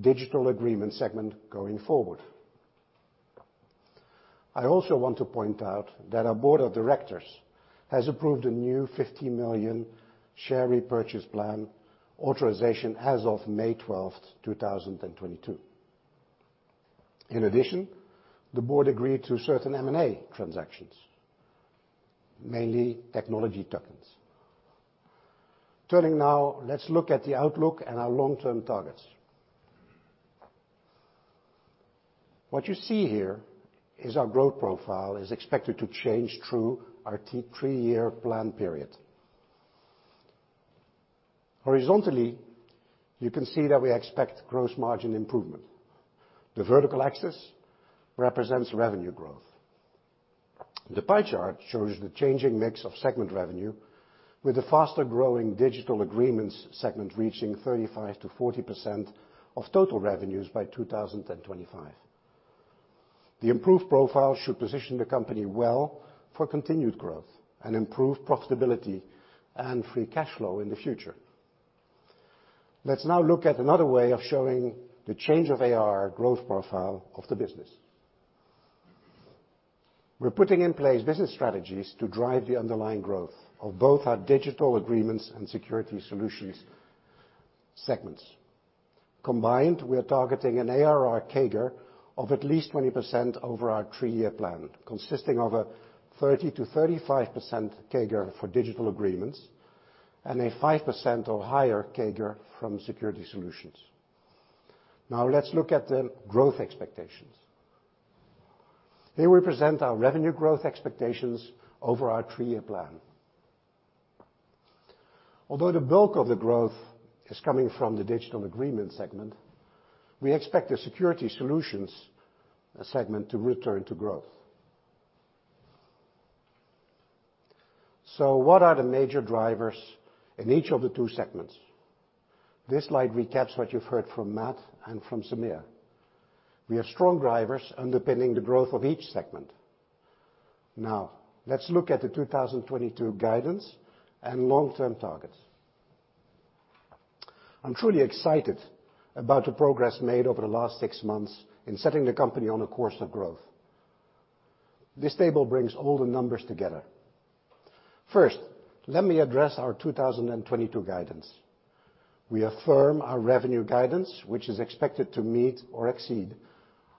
digital agreements segment going forward. I also want to point out that our board of directors has approved a new $50 million share repurchase plan authorization as of May 12, 2022. In addition, the board agreed to certain M&A transactions, mainly technology tuck-ins. Turning now, let's look at the outlook and our long-term targets. What you see here is our growth profile is expected to change through our 3-year plan period. Horizontally, you can see that we expect gross margin improvement. The vertical axis represents revenue growth. The pie chart shows the changing mix of segment revenue with the faster-growing digital agreements segment reaching 35%-40% of total revenues by 2025. The improved profile should position the company well for continued growth and improve profitability and free cash flow in the future. Let's now look at another way of showing the change of ARR growth profile of the business. We're putting in place business strategies to drive the underlying growth of both our digital agreements and security solutions segments. Combined, we are targeting an ARR CAGR of at least 20% over our three-year plan, consisting of a 30%-35% CAGR for digital agreements and a 5% or higher CAGR from security solutions. Now let's look at the growth expectations. Here we present our revenue growth expectations over our three-year plan. Although the bulk of the growth is coming from the digital agreement segment, we expect the security solutions segment to return to growth. What are the major drivers in each of the two segments? This slide recaps what you've heard from Matt and from Sameer. We have strong drivers underpinning the growth of each segment. Now, let's look at the 2022 guidance and long-term targets. I'm truly excited about the progress made over the last six months in setting the company on a course of growth. This table brings all the numbers together. First, let me address our 2022 guidance. We affirm our revenue guidance, which is expected to meet or exceed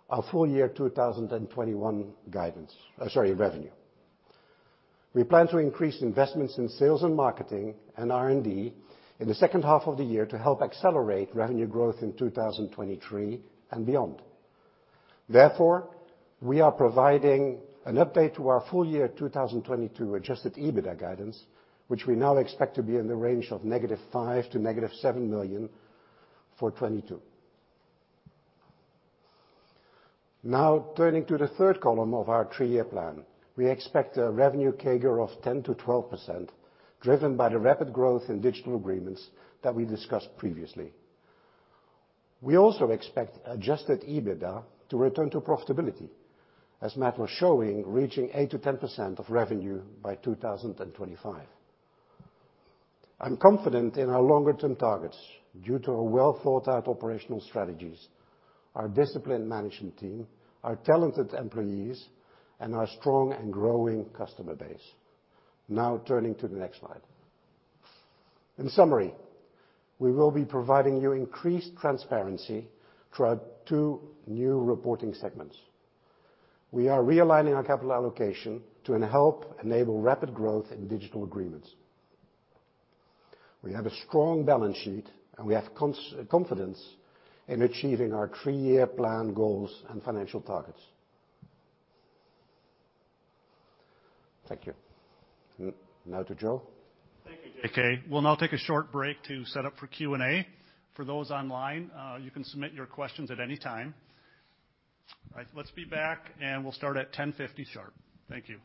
our full year 2021 guidance. Sorry, revenue. We plan to increase investments in sales and marketing and R&D in the second half of the year to help accelerate revenue growth in 2023 and beyond. Therefore, we are providing an update to our full year 2022 adjusted EBITDA guidance, which we now expect to be in the range of -$5 million to -$7 million for 2022. Now, turning to the third column of our three-year plan. We expect a revenue CAGR of 10%-12%, driven by the rapid growth in digital agreements that we discussed previously. We also expect adjusted EBITDA to return to profitability, as Matt was showing, reaching 8%-10% of revenue by 2025. I'm confident in our longer-term targets due to our well-thought-out operational strategies, our disciplined management team, our talented employees, and our strong and growing customer base. Now turning to the next slide. In summary, we will be providing you increased transparency throughout two new reporting segments. We are realigning our capital allocation to help enable rapid growth in digital agreements. We have a strong balance sheet, and we have confidence in achieving our three-year plan goals and financial targets. Thank you. Now to Joe. Thank you, JK. We'll now take a short break to set up for Q&A. For those online, you can submit your questions at any time. All right, let's be back and we'll start at 10:50 sharp. Thank you.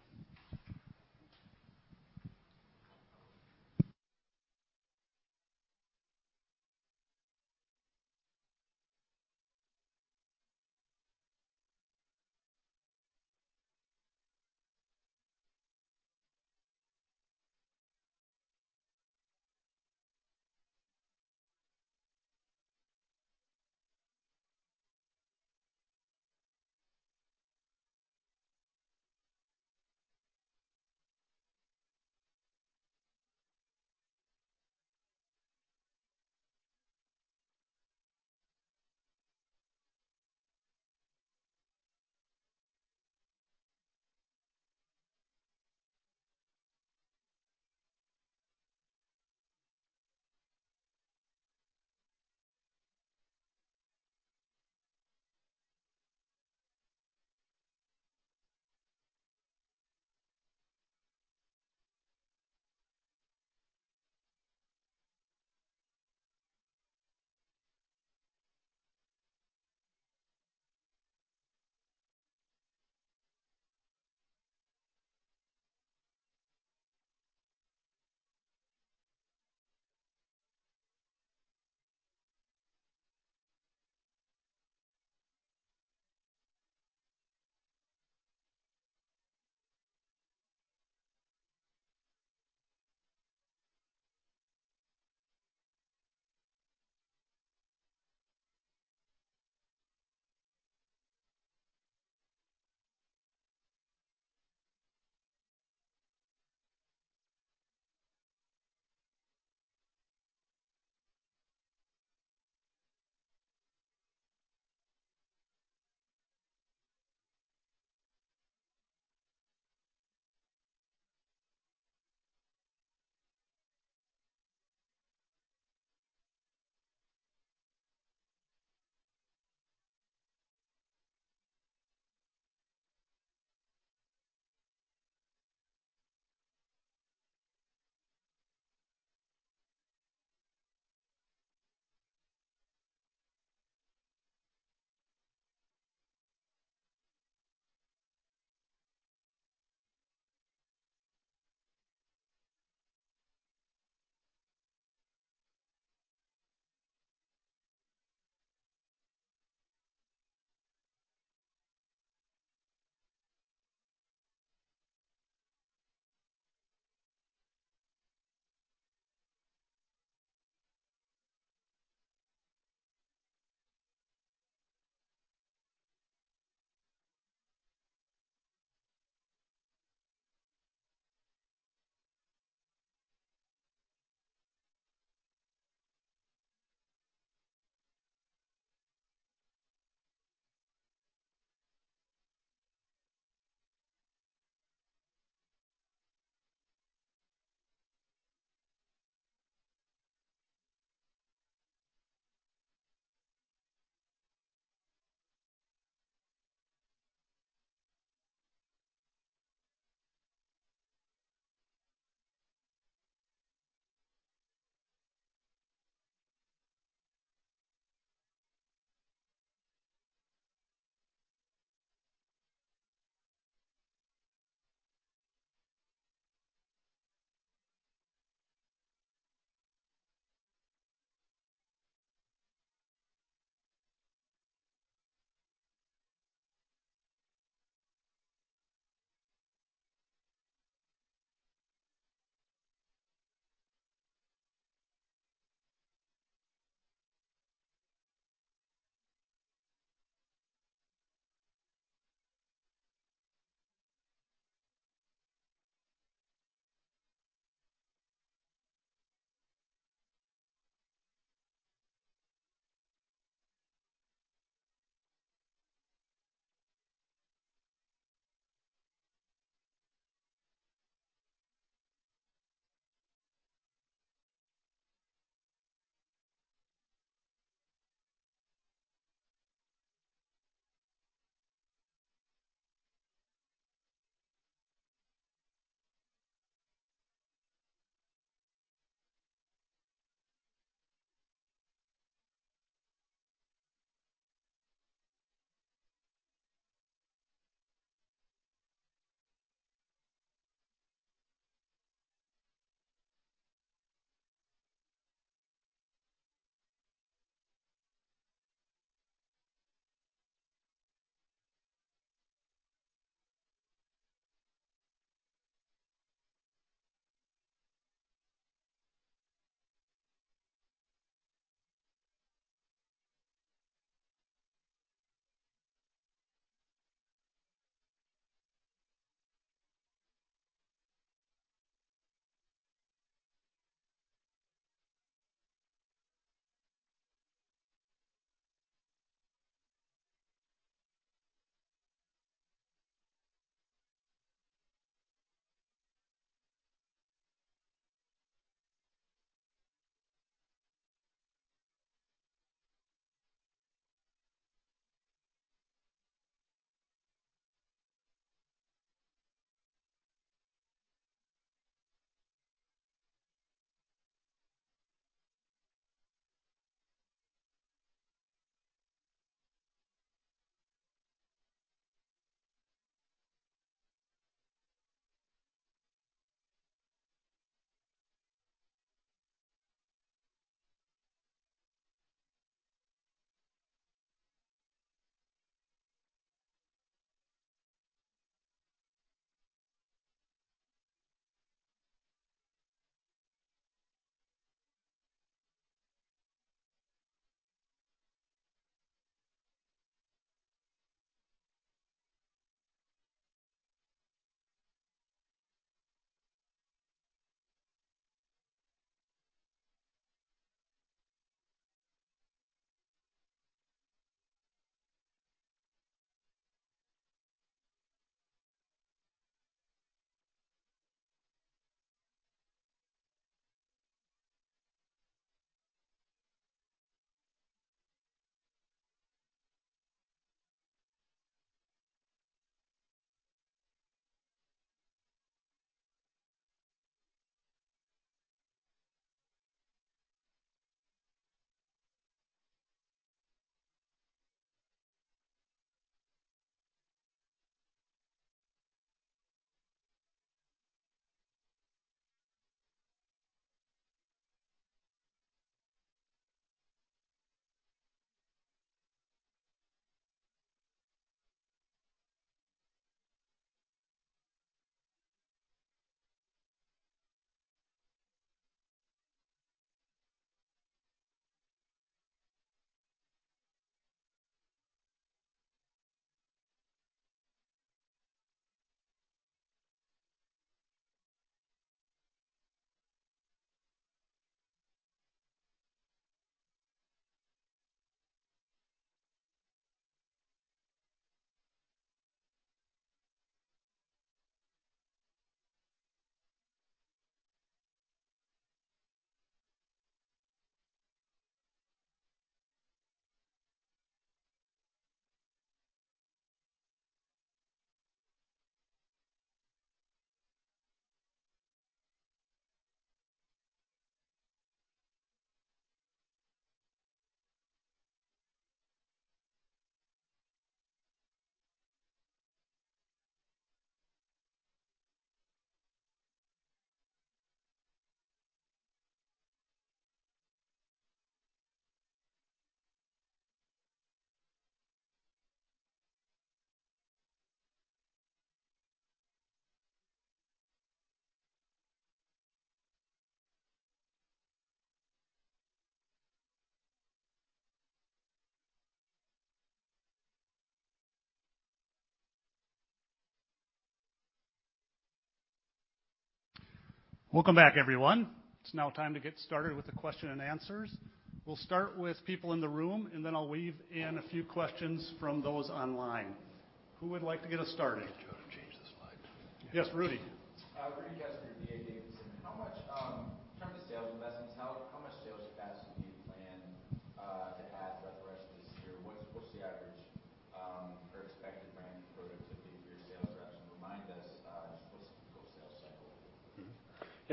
Welcome back, everyone. It's now time to get started with the question and answers. We'll start with people in the room, and then I'll weave in a few questions from those online. Who would like to get us started? Do you wanna change the slide? Yes, Rudy.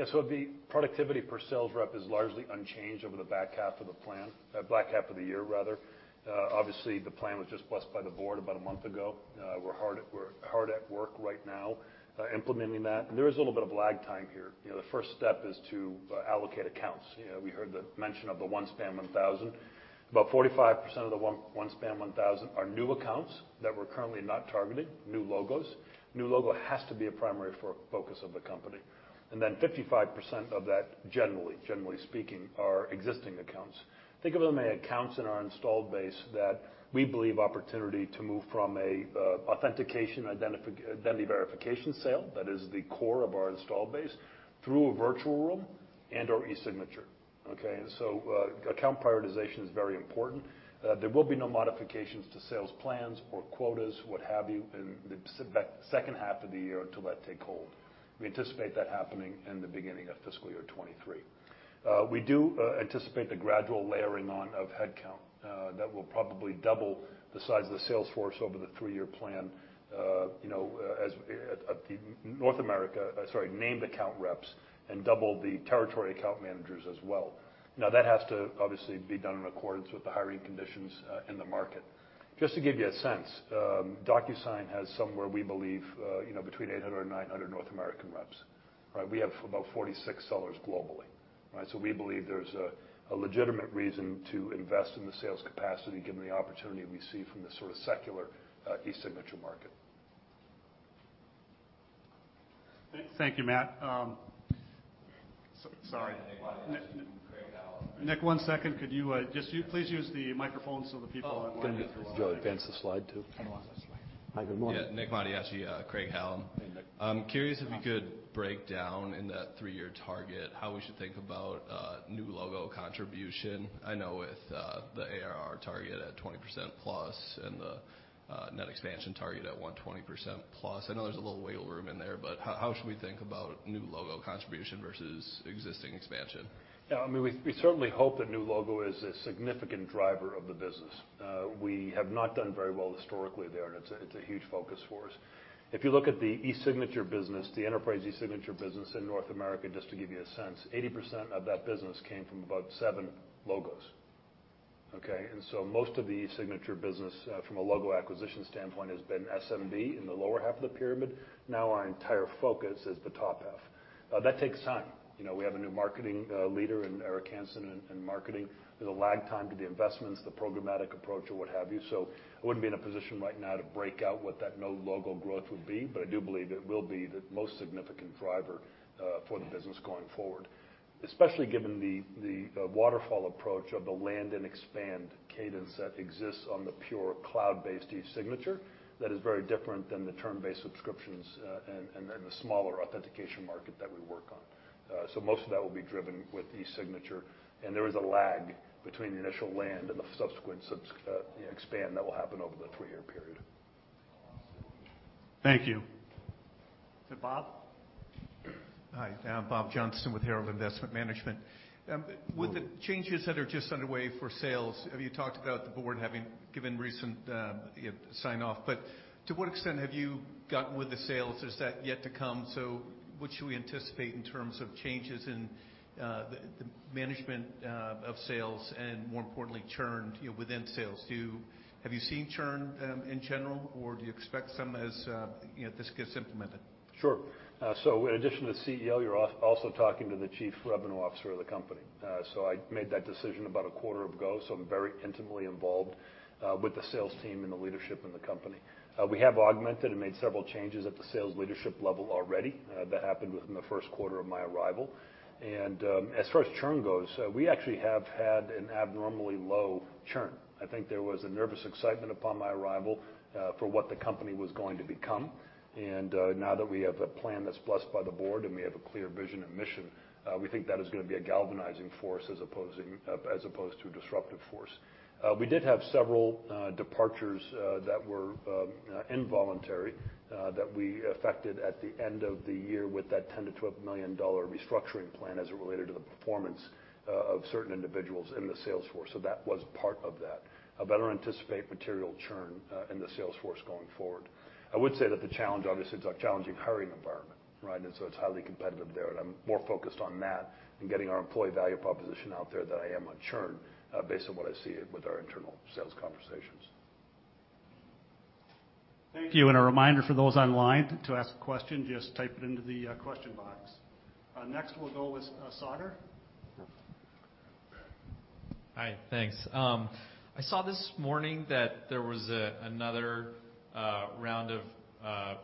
Rudy Kessinger, D.A. Davidson. How much in terms of sales investments, how much sales capacity do you plan to have throughout the rest of this year? What's the average or expected brand productivity for your sales reps? Remind us what's the full sales cycle? The productivity per sales rep is largely unchanged over the back half of the plan, back half of the year rather. Obviously, the plan was just blessed by the board about a month ago. We're hard at work right now implementing that. There is a little bit of lag time here. You know, the first step is to allocate accounts. You know, we heard the mention of the OneSpan 1,000. About 45% of the OneSpan 1,000 are new accounts that we're currently not targeting, new logos. New logo has to be a primary focus of the company. Then 55% of that, generally speaking, are existing accounts. Think of them as accounts in our installed base that we believe opportunity to move from a authentication identity verification sale, that is the core of our installed base, through a Virtual Room and/or e-signature. Okay? Account prioritization is very important. There will be no modifications to sales plans or quotas, what have you, in the second half of the year until that take hold. We anticipate that happening in the beginning of fiscal year 2023. We do anticipate the gradual layering on of headcount that will probably double the size of the sales force over the three-year plan, you know, as named account reps, and double the territory account managers as well. Now, that has to obviously be done in accordance with the hiring conditions in the market. Just to give you a sense, DocuSign has somewhere, we believe, you know, between 800 and 900 North American reps, right? We have about 46 sellers globally, right? We believe there's a legitimate reason to invest in the sales capacity given the opportunity we see from the sort of secular e-signature market. Thank you, Matt. Sorry. Nicholas Mattiacci from Craig-Hallum. Nick, one second. Could you just please use the microphone so the people online can hear. Oh. Do you wanna advance the slide too? I don't want this slide. Hi, good morning. Yeah. Nicholas Mattiacci, Craig-Hallum. Hey, Nick. I'm curious if you could break down in that three-year target how we should think about new logo contribution. I know with the ARR target at 20%+ and the net expansion target at 120%+. I know there's a little wiggle room in there, but how should we think about new logo contribution versus existing expansion? Yeah. I mean, we certainly hope that new logo is a significant driver of the business. We have not done very well historically there, and it's a huge focus for us. If you look at the e-signature business, the enterprise e-signature business in North America, just to give you a sense, 80% of that business came from about seven logos, okay? Most of the e-signature business, from a logo acquisition standpoint has been SMB in the lower half of the pyramid. Now our entire focus is the top half. That takes time. You know, we have a new marketing leader in Eric Hanson in marketing. There's a lag time to the investments, the programmatic approach or what have you. I wouldn't be in a position right now to break out what that new logo growth would be, but I do believe it will be the most significant driver for the business going forward, especially given the waterfall approach of the land and expand cadence that exists on the pure cloud-based e-signature that is very different than the term-based subscriptions, and then the smaller authentication market that we work on. Most of that will be driven with e-signature, and there is a lag between the initial land and the subsequent expand that will happen over the three-year period, you know. Thank you. Is it Bob? Hi. Bob Johnston with Herald Investment Management. With the changes that are just underway for sales, have you talked about the board having given recent, you know, sign-off? To what extent have you gotten with the sales? Is that yet to come? What should we anticipate in terms of changes in the management of sales and more importantly, churn, you know, within sales? Have you seen churn in general, or do you expect some as, you know, this gets implemented? Sure. So in addition to CEO, you're also talking to the chief revenue officer of the company. So I made that decision about a quarter ago, so I'm very intimately involved with the sales team and the leadership in the company. We have augmented and made several changes at the sales leadership level already. That happened within the first quarter of my arrival. As far as churn goes, we actually have had an abnormally low churn. I think there was a nervous excitement upon my arrival for what the company was going to become. Now that we have a plan that's blessed by the board and we have a clear vision and mission, we think that is gonna be a galvanizing force as opposed to a disruptive force. We did have several departures that were involuntary that we effected at the end of the year with that $10 million-$12 million restructuring plan as it related to the performance of certain individuals in the sales force. So that was part of that. I do not anticipate material churn in the sales force going forward. I would say that the challenge, obviously, it's a challenging hiring environment, right? It's highly competitive there, and I'm more focused on that and getting our employee value proposition out there than I am on churn based on what I see with our internal sales conversations. Thank you. A reminder for those online to ask a question, just type it into the question box. Next we'll go with Sauder. Hi, thanks. I saw this morning that there was another round of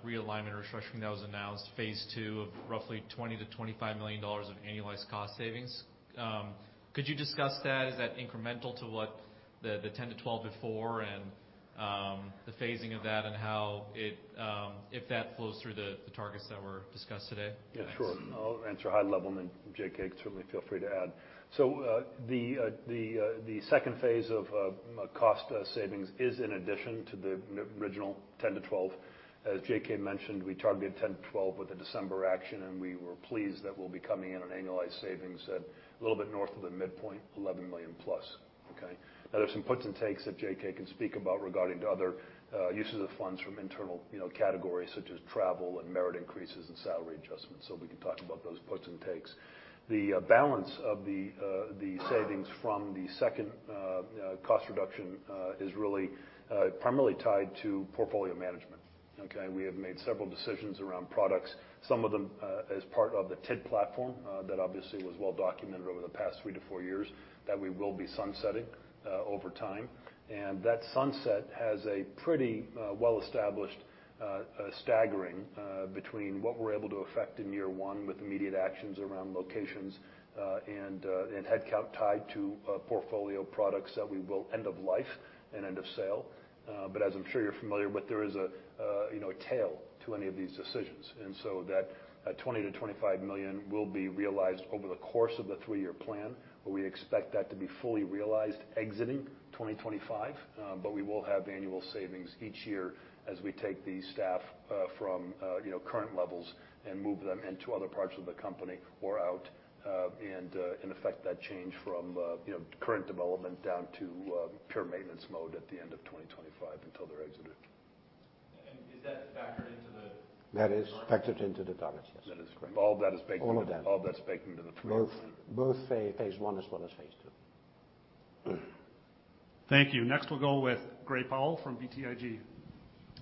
realignment restructuring that was announced, phase two of roughly $20 million-$25 million of annualized cost savings. Could you discuss that? Is that incremental to what the 10-12 before and the phasing of that and how it if that flows through the targets that were discussed today? Yeah, sure. I'll answer high level and then JK can certainly feel free to add. The second phase of cost savings is in addition to the original $10 million-$12 million. As JK mentioned, we targeted $10 million-$12 million with the December action, and we were pleased that we'll be coming in on annualized savings at a little bit north of the midpoint, $11 million+. Okay? Now there's some puts and takes that JK can speak about regarding other uses of funds from internal, you know, categories such as travel and merit increases and salary adjustments. We can talk about those puts and takes. The balance of the savings from the second cost reduction is really primarily tied to portfolio management. Okay? We have made several decisions around products, some of them, as part of the Trusted Identity Platform, that obviously was well documented over the past three to four years that we will be sunsetting over time. That sunset has a pretty well-established staggering between what we're able to affect in year one with immediate actions around locations, and headcount tied to portfolio products that we will end of life and end of sale. As I'm sure you're familiar with, there is, you know, a tail to any of these decisions. That $20 million-$25 million will be realized over the course of the three-year plan, but we expect that to be fully realized exiting 2025. We will have annual savings each year as we take the staff from you know current levels and move them into other parts of the company or out and in effect that change from you know current development down to pure maintenance mode at the end of 2025 until they're exited. Is that factored into the? That is factored into the targets, yes. That is correct. All of that. All that's baked into the targets. Both phase one as well as phase two. Thank you. Next, we'll go with Gray Powell from BTIG.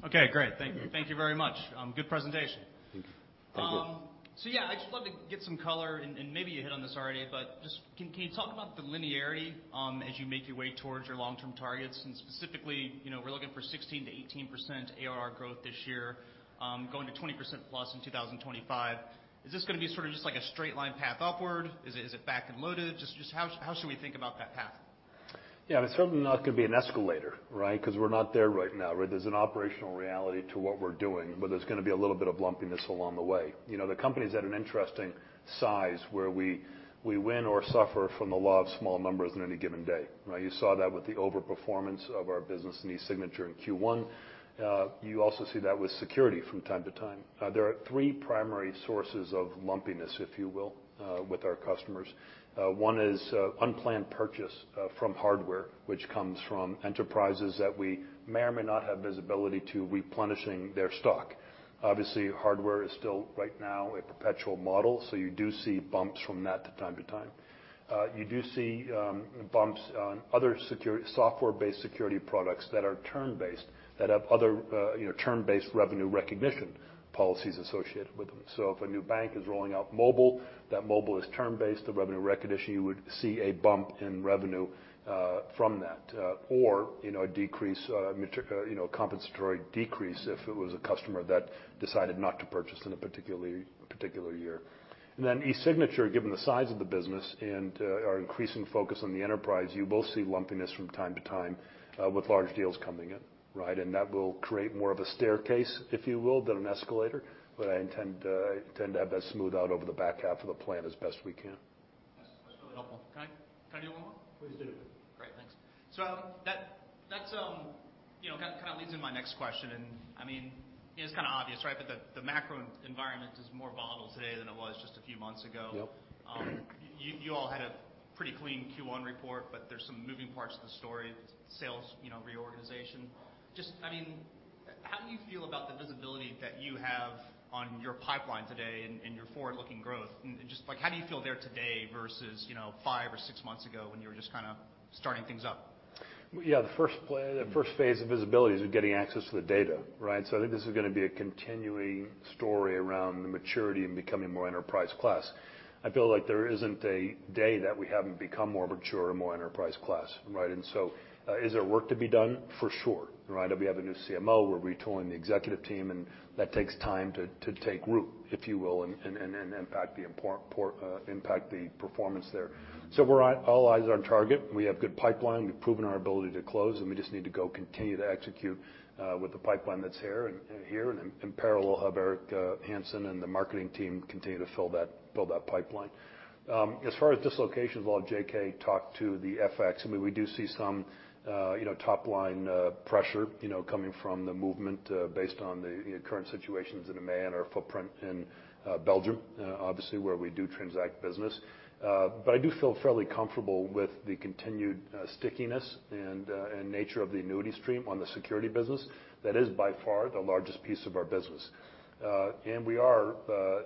Okay, great. Thank you. Thank you very much. Good presentation. Thank you. Thank you. Yeah, I'd just love to get some color, and maybe you hit on this already, but just can you talk about the linearity, as you make your way towards your long-term targets? Specifically, you know, we're looking for 16%-18% ARR growth this year, going to 20%+ in 2025. Is this gonna be sort of just like a straight line path upward? Is it back and loaded? Just how should we think about that path? Yeah, it's certainly not gonna be an escalator, right? 'Cause we're not there right now, right? There's an operational reality to what we're doing, but there's gonna be a little bit of lumpiness along the way. You know, the company's at an interesting size where we win or suffer from the law of small numbers in any given day, right? You saw that with the overperformance of our business in eSignature in Q1. You also see that with security from time to time. There are three primary sources of lumpiness, if you will, with our customers. One is unplanned purchase from hardware, which comes from enterprises that we may or may not have visibility to replenishing their stock. Obviously, hardware is still right now a perpetual model, so you do see bumps from that from time to time. You do see bumps on other security, software-based security products that are term-based, that have other, you know, term-based revenue recognition policies associated with them. If a new bank is rolling out mobile, that mobile is term-based, the revenue recognition, you would see a bump in revenue from that. Or, you know, a compensatory decrease if it was a customer that decided not to purchase in a particular year. eSignature, given the size of the business and our increasing focus on the enterprise, you will see lumpiness from time to time with large deals coming in, right? That will create more of a staircase, if you will, than an escalator. I intend to have that smooth out over the back half of the plan as best we can. Yes. That's really helpful. Can I do one more? Please do. Great. Thanks. That's you know, kind of leads into my next question, and I mean, it is kind of obvious, right? The macro environment is more volatile today than it was just a few months ago. Yep. You all had a pretty clean Q1 report, but there's some moving parts to the story, sales, you know, reorganization. I mean, how do you feel about the visibility that you have on your pipeline today and your forward-looking growth? Just like, how do you feel there today versus, you know, five or six months ago when you were just kinda starting things up? Yeah. The first phase of visibility is getting access to the data, right? I think this is gonna be a continuing story around the maturity and becoming more enterprise class. I feel like there isn't a day that we haven't become more mature and more enterprise class, right? Is there work to be done? For sure, right. We have a new CMO, we're retooling the executive team, and that takes time to take root, if you will, and impact the performance there. We're all eyes on target. We have good pipeline. We've proven our ability to close, and we just need to go continue to execute with the pipeline that's here and in parallel have Eric Hanson and the marketing team continue to build that pipeline. As far as dislocations, while JK talked to the FX, I mean, we do see some, you know, top line pressure, you know, coming from the movement based on the, you know, current situations in the EMEA and our footprint in Belgium, obviously where we do transact business. I do feel fairly comfortable with the continued stickiness and nature of the annuity stream on the security business. That is by far the largest piece of our business. We are,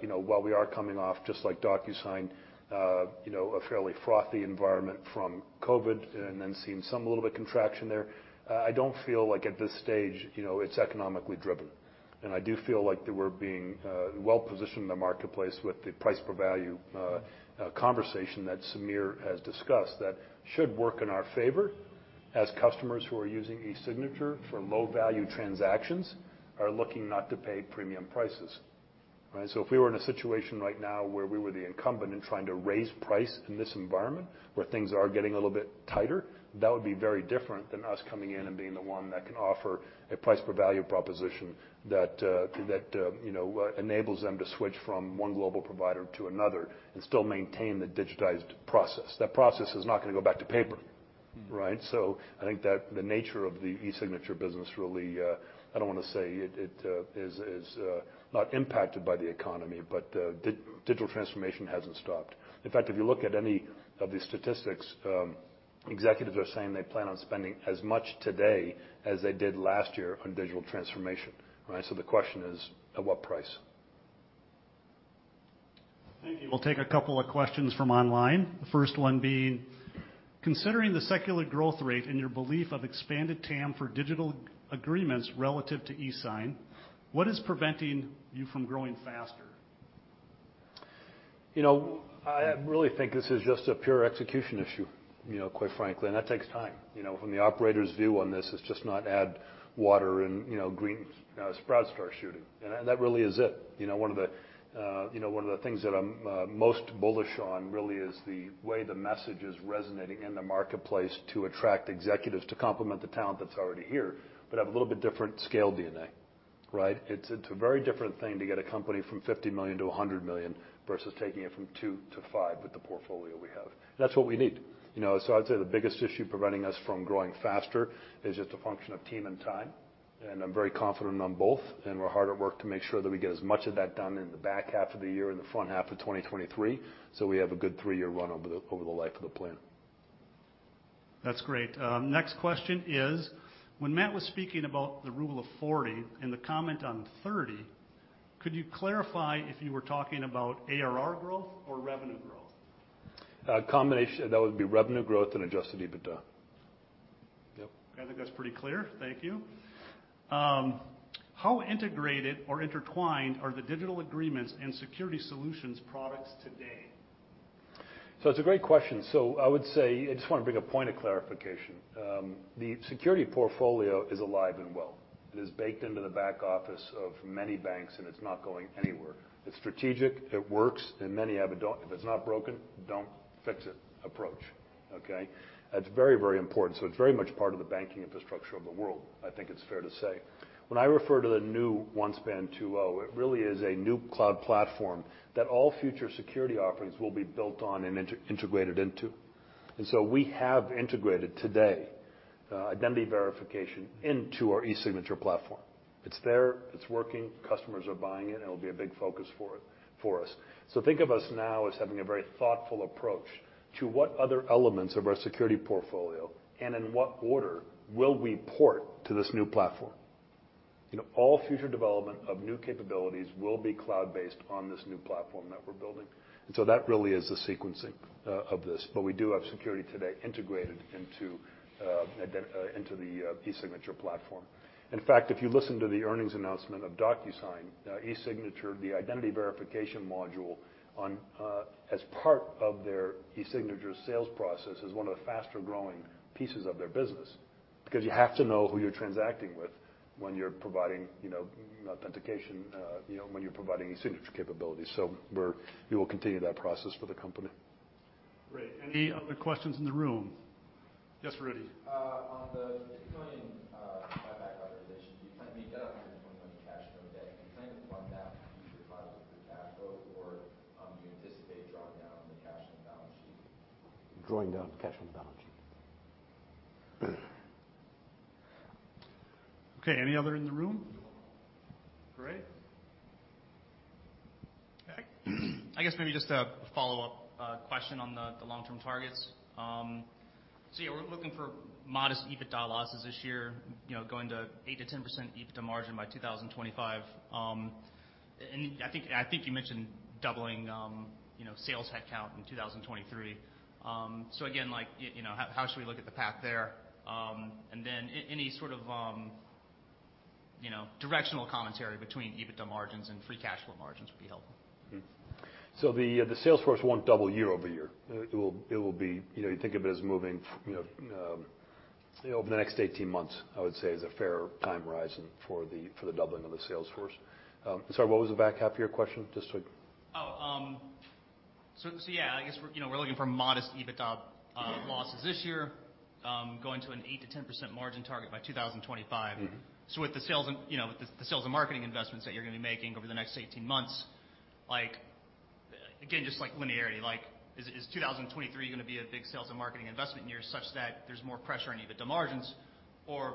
you know, while we are coming off just like DocuSign, you know, a fairly frothy environment from COVID and then seeing some little bit contraction there, I don't feel like at this stage, you know, it's economically driven. I do feel like that we're being well-positioned in the marketplace with the price per value conversation that Sameer has discussed that should work in our favor as customers who are using e-signature for low-value transactions are looking not to pay premium prices, right? If we were in a situation right now where we were the incumbent and trying to raise price in this environment where things are getting a little bit tighter, that would be very different than us coming in and being the one that can offer a price per value proposition that you know enables them to switch from one global provider to another and still maintain the digitized process. That process is not gonna go back to paper, right? I think that the nature of the e-signature business really, I don't wanna say it is not impacted by the economy, but, digital transformation hasn't stopped. In fact, if you look at any of the statistics, executives are saying they plan on spending as much today as they did last year on digital transformation, right? The question is, at what price? Thank you. We'll take a couple of questions from online. The first one being: considering the secular growth rate and your belief of expanded TAM for digital agreements relative to e-sign, what is preventing you from growing faster? You know, I really think this is just a pure execution issue, you know, quite frankly, and that takes time. You know, from the operator's view on this, it's just not add water and, you know, green sprouts start shooting. That really is it. You know, one of the, you know, one of the things that I'm most bullish on really is the way the message is resonating in the marketplace to attract executives to complement the talent that's already here but have a little bit different scale DNA, right? It's a very different thing to get a company from $50 million-$100 million versus taking it from two to five with the portfolio we have. That's what we need, you know. I'd say the biggest issue preventing us from growing faster is just a function of team and time, and I'm very confident on both, and we're hard at work to make sure that we get as much of that done in the back half of the year and the front half of 2023, so we have a good three-year run over the life of the plan. That's great. Next question is, when Matt was speaking about the Rule of 40 and the comment on 30, could you clarify if you were talking about ARR growth or revenue growth? A combination. That would be revenue growth and adjusted EBITDA. Yep. I think that's pretty clear. Thank you. How integrated or intertwined are the digital agreements and security solutions products today? It's a great question. I would say I just wanna bring a point of clarification. The security portfolio is alive and well. It is baked into the back office of many banks, and it's not going anywhere. It's strategic, it works, and many have an "if it's not broken, don't fix it" approach, okay? It's very, very important, so it's very much part of the banking infrastructure of the world, I think it's fair to say. When I refer to the new OneSpan 2.0, it really is a new cloud platform that all future security offerings will be built on and integrated into. We have integrated today identity verification into our e-signature platform. It's there. It's working. Customers are buying it, and it'll be a big focus for us. Think of us now as having a very thoughtful approach to what other elements of our security portfolio and in what order will we port to this new platform. You know, all future development of new capabilities will be cloud-based on this new platform that we're building. That really is the sequencing of this. We do have security today integrated into the e-signature platform. In fact, if you listen to the earnings announcement of DocuSign e-signature, the identity verification module on, as part of their e-signature sales process, is one of the faster-growing pieces of their business because you have to know who you're transacting with when you're providing, you know, authentication, you know, when you're providing e-signature capabilities. We will continue that process for the company. Great. Any other questions in the room? Yes, Rudy. On the $2 billion buyback authorization, you got $120 million cash from debt. Do you plan to fund that future? Drawing down cash on the balance sheet. Okay, any other in the room? Great. I guess maybe just a follow-up question on the long-term targets. Yeah, we're looking for modest EBITDA losses this year, you know, going to 8%-10% EBITDA margin by 2025. I think you mentioned doubling sales headcount in 2023. Again, like, you know, how should we look at the path there? Any sort of, you know, directional commentary between EBITDA margins and free cash flow margins would be helpful. The sales force won't double year-over-year. It will be, you know, you think of it as moving, you know, over the next 18 months, I would say is a fair time horizon for the doubling of the sales force. Sorry, what was the back half of your question? Just to- Yeah, I guess, you know, we're looking for modest EBITDA losses this year, going to an 8%-10% margin target by 2025. Mm-hmm. With the sales and, you know, the sales and marketing investments that you're gonna be making over the next 18 months, like, again, just like linearity, like is 2023 gonna be a big sales and marketing investment year such that there's more pressure on EBITDA margins? Or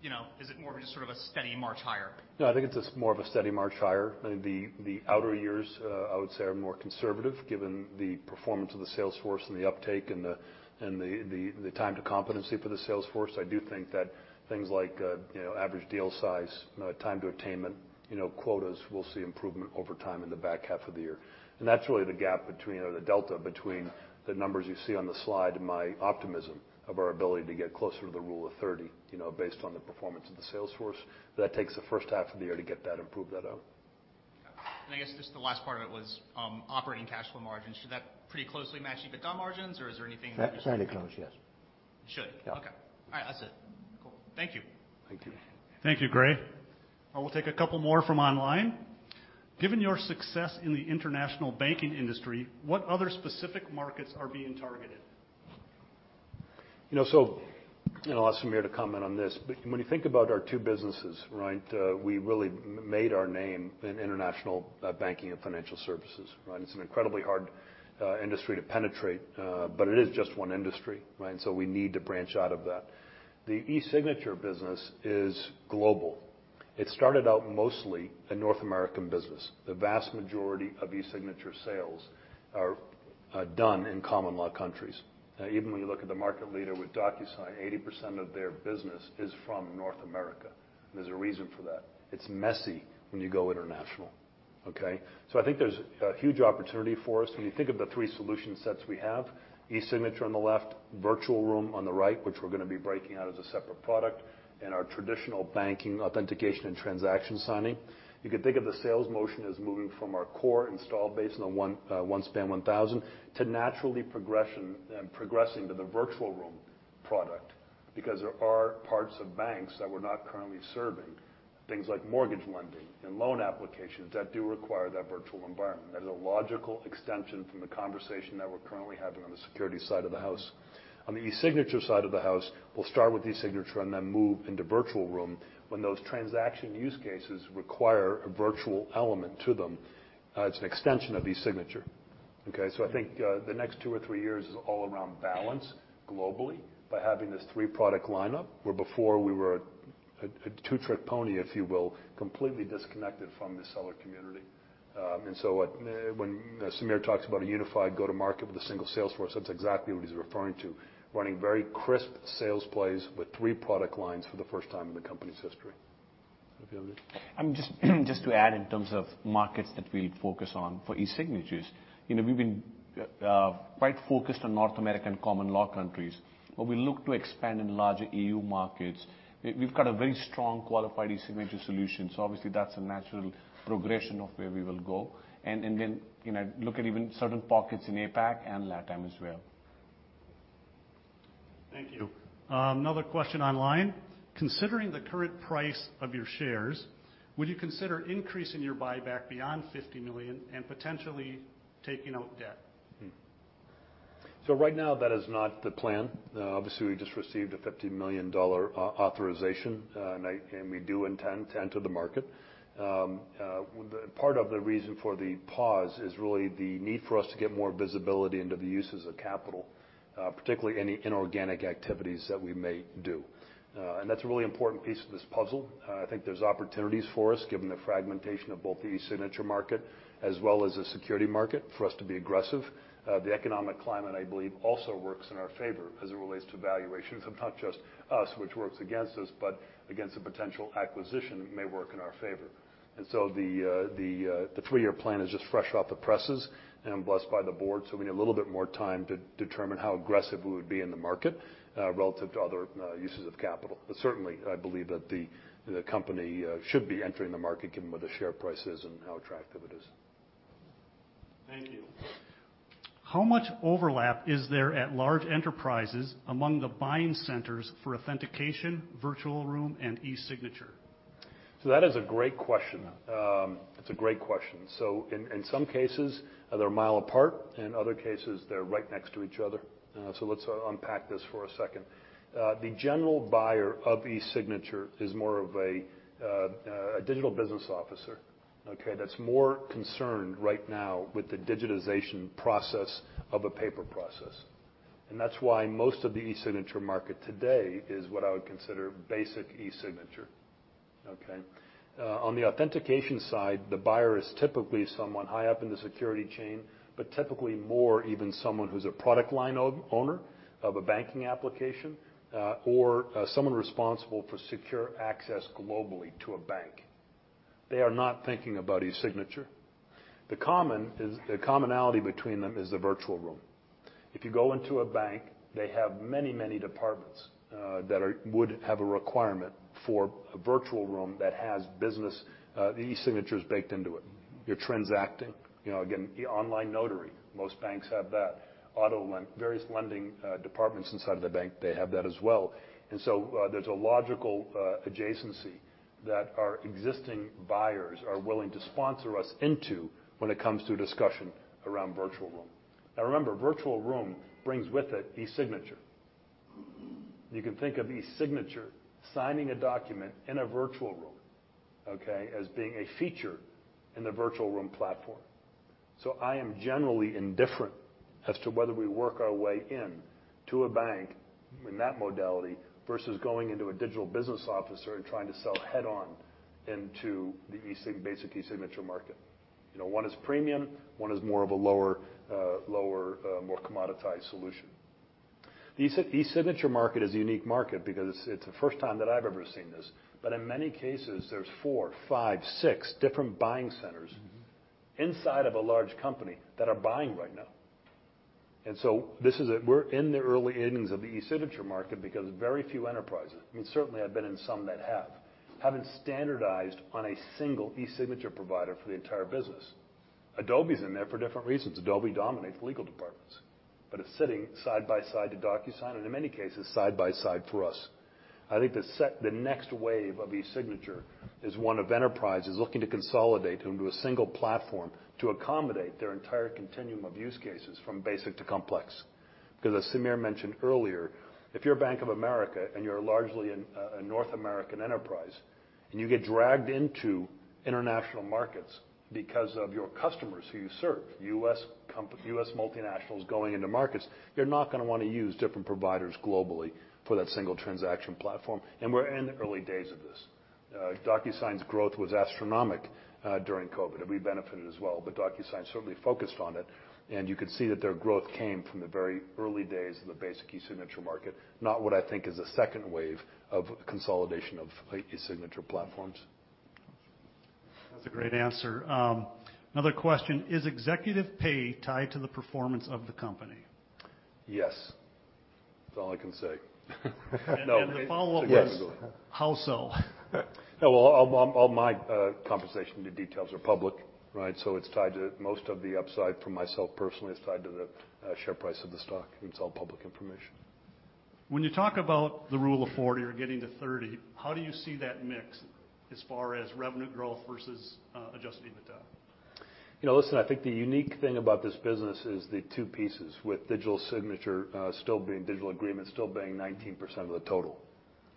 you know, is it more of just sort of a steady march higher? No, I think it's just more of a steady march higher. I think the outer years I would say are more conservative given the performance of the sales force and the uptake and the time to competency for the sales force. I do think that things like you know, average deal size, time to attainment, you know, quotas will see improvement over time in the back half of the year. That's really the gap between or the delta between the numbers you see on the slide and my optimism of our ability to get closer to the Rule of 40, you know, based on the performance of the sales force. That takes the first half of the year to get that and prove that out. Okay. I guess just the last part of it was operating cash flow margins. Should that pretty closely match EBITDA margins, or is there anything? That kind of goes, yes. Should. Yeah. Okay. All right. That's it. Cool. Thank you. Thank you. Thank you, Gray. I will take a couple more from online. Given your success in the international banking industry, what other specific markets are being targeted? You know, I'll ask Sameer to comment on this, but when you think about our two businesses, right, we really made our name in international banking and financial services, right? It's an incredibly hard industry to penetrate, but it is just one industry, right? We need to branch out of that. The e-signature business is global. It started out mostly a North American business. The vast majority of e-signature sales are done in common law countries. Even when you look at the market leader with DocuSign, 80% of their business is from North America. There's a reason for that. It's messy when you go international. Okay. I think there's a huge opportunity for us. When you think of the three solution sets we have, eSignature on the left, Virtual Room on the right, which we're gonna be breaking out as a separate product, and our traditional banking authentication and transaction signing, you can think of the sales motion as moving from our core install base on the OneSpan 1,000 to natural progression, progressing to the Virtual Room product because there are parts of banks that we're not currently serving, things like mortgage lending and loan applications that do require that virtual environment. That is a logical extension from the conversation that we're currently having on the securities side of the house. On the eSignature side of the house, we'll start with eSignature and then move into Virtual Room when those transaction use cases require a virtual element to them. It's an extension of eSignature. Okay? I think the next two or three years is all around balance globally by having this three-product lineup, where before we were a two-trick pony, if you will, completely disconnected from the seller community. What, when Sameer talks about a unified go-to-market with a single sales force, that's exactly what he's referring to, running very crisp sales plays with three product lines for the first time in the company's history. Sameer. Just to add in terms of markets that we focus on for e-signatures, you know, we've been quite focused on North American common law countries, but we look to expand in larger EU markets. We've got a very strong qualified e-signature solution, so obviously that's a natural progression of where we will go. You know, look at even certain pockets in APAC and LATAM as well. Thank you. Another question online. Considering the current price of your shares, would you consider increasing your buyback beyond $50 million and potentially taking out debt? Right now that is not the plan. Obviously, we just received a $50 million authorization, and we do intend to enter the market. The part of the reason for the pause is really the need for us to get more visibility into the uses of capital, particularly any inorganic activities that we may do. That's a really important piece of this puzzle. I think there's opportunities for us, given the fragmentation of both the eSignature market as well as the security market, for us to be aggressive. The economic climate, I believe, also works in our favor as it relates to valuations of not just us, which works against us, but against a potential acquisition may work in our favor. The three-year plan is just fresh off the presses and blessed by the board, so we need a little bit more time to determine how aggressive we would be in the market relative to other uses of capital. Certainly, I believe that the company should be entering the market given where the share price is and how attractive it is. Thank you. How much overlap is there at large enterprises among the buying centers for authentication, Virtual Room, and eSignature? That is a great question. It's a great question. In some cases, they're a mile apart, and other cases, they're right next to each other. Let's unpack this for a second. The general buyer of e-signature is more of a digital business officer, okay, that's more concerned right now with the digitization process of a paper process. That's why most of the e-signature market today is what I would consider basic e-signature. Okay. On the authentication side, the buyer is typically someone high up in the security chain, but typically more of an someone who's a product line owner of a banking application, or someone responsible for secure access globally to a bank. They are not thinking about e-signature. The commonality between them is the Virtual Room. If you go into a bank, they have many, many departments that would have a requirement for a Virtual Room that has business e-signatures baked into it. You're transacting. You know, again, the online notary, most banks have that. Auto lending, various lending departments inside of the bank, they have that as well. There's a logical adjacency that our existing buyers are willing to sponsor us into when it comes to a discussion around Virtual Room. Now remember, Virtual Room brings with it e-signature. You can think of e-signature signing a document in a Virtual Room, okay, as being a feature in the Virtual Room platform. I am generally indifferent as to whether we work our way in to a bank in that modality versus going into a digital business office and trying to sell head on into the basic e-signature market. You know, one is premium, one is more of a lower, more commoditized solution. The e-signature market is a unique market because it's the first time that I've ever seen this. In many cases, there's four, five, six different buying centers. Mm-hmm. Inside of a large company that are buying right now. This is a we're in the early innings of the e-signature market because very few enterprises, I mean, certainly I've been in some that have, haven't standardized on a single e-signature provider for the entire business. Adobe's in there for different reasons. Adobe dominates legal departments. It's sitting side by side to DocuSign, and in many cases, side by side for us. I think the next wave of e-signature is one of enterprises looking to consolidate into a single platform to accommodate their entire continuum of use cases from basic to complex. Because as Sameer mentioned earlier, if you're Bank of America and you're largely a North American enterprise, and you get dragged into international markets because of your customers who you serve, U.S. multinationals going into markets, you're not gonna wanna use different providers globally for that single transaction platform. We're in the early days of this. DocuSign's growth was astronomical during COVID. We benefited as well, but DocuSign certainly focused on it, and you could see that their growth came from the very early days of the basic e-signature market, not what I think is a second wave of consolidation of e-signature platforms. That's a great answer. Another question, is executive pay tied to the performance of the company? Yes. That's all I can say. the follow-up question. Yes. How so? Well, all my compensation, the details are public, right? It's tied to most of the upside for myself personally. It's tied to the share price of the stock, and it's all public information. When you talk about the Rule of 40 or getting to 30, how do you see that mix as far as revenue growth versus adjusted EBITDA? You know, listen, I think the unique thing about this business is the two pieces, with digital agreements still being 19% of the total.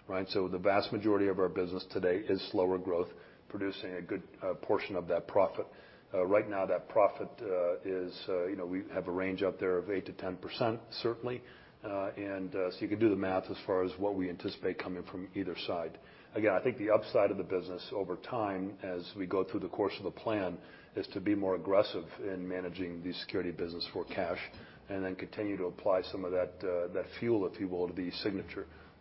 Right? The vast majority of our business today is slower growth, producing a good portion of that profit. Right now, that profit is, you know, we have a range up there of 8%-10% certainly. You can do the math as far as what we anticipate coming from either side. Again, I think the upside of the business over time, as we go through the course of the plan, is to be more aggressive in managing the security business for cash, and then continue to apply some of that that fuel, if you will, to the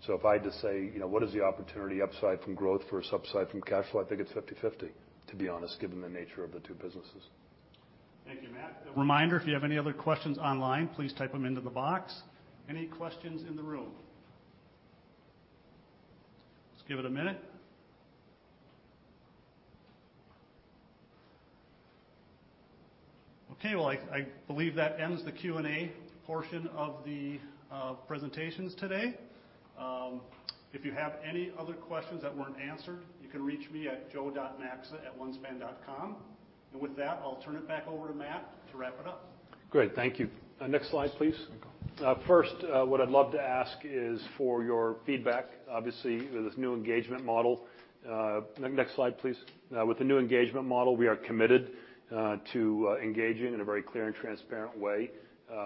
e-signature. If I had to say, you know, what is the opportunity upside from growth versus upside from cash flow, I think it's 50/50, to be honest, given the nature of the two businesses. Thank you, Matt. A reminder, if you have any other questions online, please type them into the box. Any questions in the room? Let's give it a minute. Okay, well, I believe that ends the Q&A portion of the presentations today. If you have any other questions that weren't answered, you can reach me at joe.maxa@onespan.com. With that, I'll turn it back over to Matt to wrap it up. Great. Thank you. Next slide, please. First, what I'd love to ask is for your feedback. Obviously, with this new engagement model, next slide, please. With the new engagement model, we are committed to engaging in a very clear and transparent way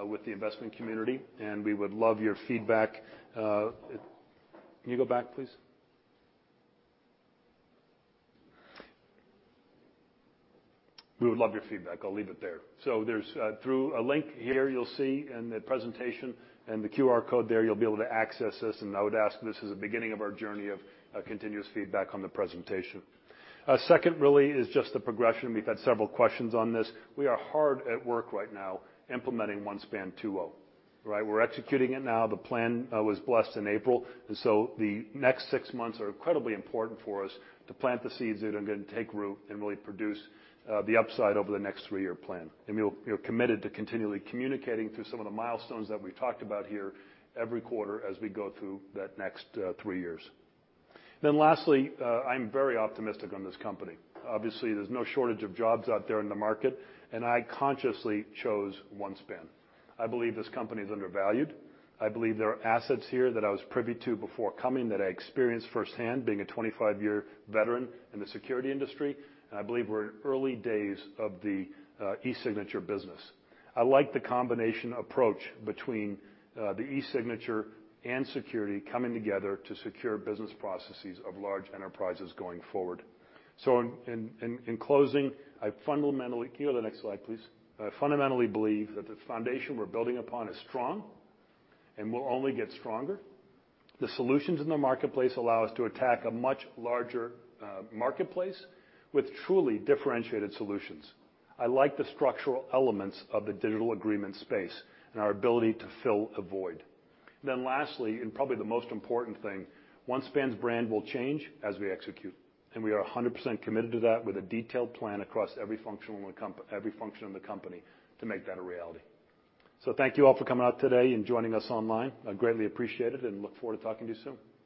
with the investment community, and we would love your feedback. Can you go back, please? We would love your feedback. I'll leave it there. There's through a link here you'll see in the presentation and the QR code there, you'll be able to access this, and I would ask this as a beginning of our journey of continuous feedback on the presentation. Second really is just the progression. We've had several questions on this. We are hard at work right now implementing OneSpan 2.0. Right? We're executing it now. The plan was blessed in April. The next six months are incredibly important for us to plant the seeds that are gonna take root and really produce the upside over the next three-year plan. We'll, you know, committed to continually communicating through some of the milestones that we talked about here every quarter as we go through that next three years. Lastly, I'm very optimistic on this company. Obviously, there's no shortage of jobs out there in the market, and I consciously chose OneSpan. I believe this company is undervalued. I believe there are assets here that I was privy to before coming that I experienced firsthand, being a 25-year veteran in the security industry. I believe we're in early days of the e-signature business. I like the combination approach between the e-signature and security coming together to secure business processes of large enterprises going forward. In closing, Can you go to the next slide, please? I fundamentally believe that the foundation we're building upon is strong and will only get stronger. The solutions in the marketplace allow us to attack a much larger marketplace with truly differentiated solutions. I like the structural elements of the digital agreement space and our ability to fill a void. Lastly, and probably the most important thing, OneSpan's brand will change as we execute. We are 100% committed to that with a detailed plan across every function in the company to make that a reality. Thank you all for coming out today and joining us online. I greatly appreciate it and look forward to talking to you soon. Bye-bye.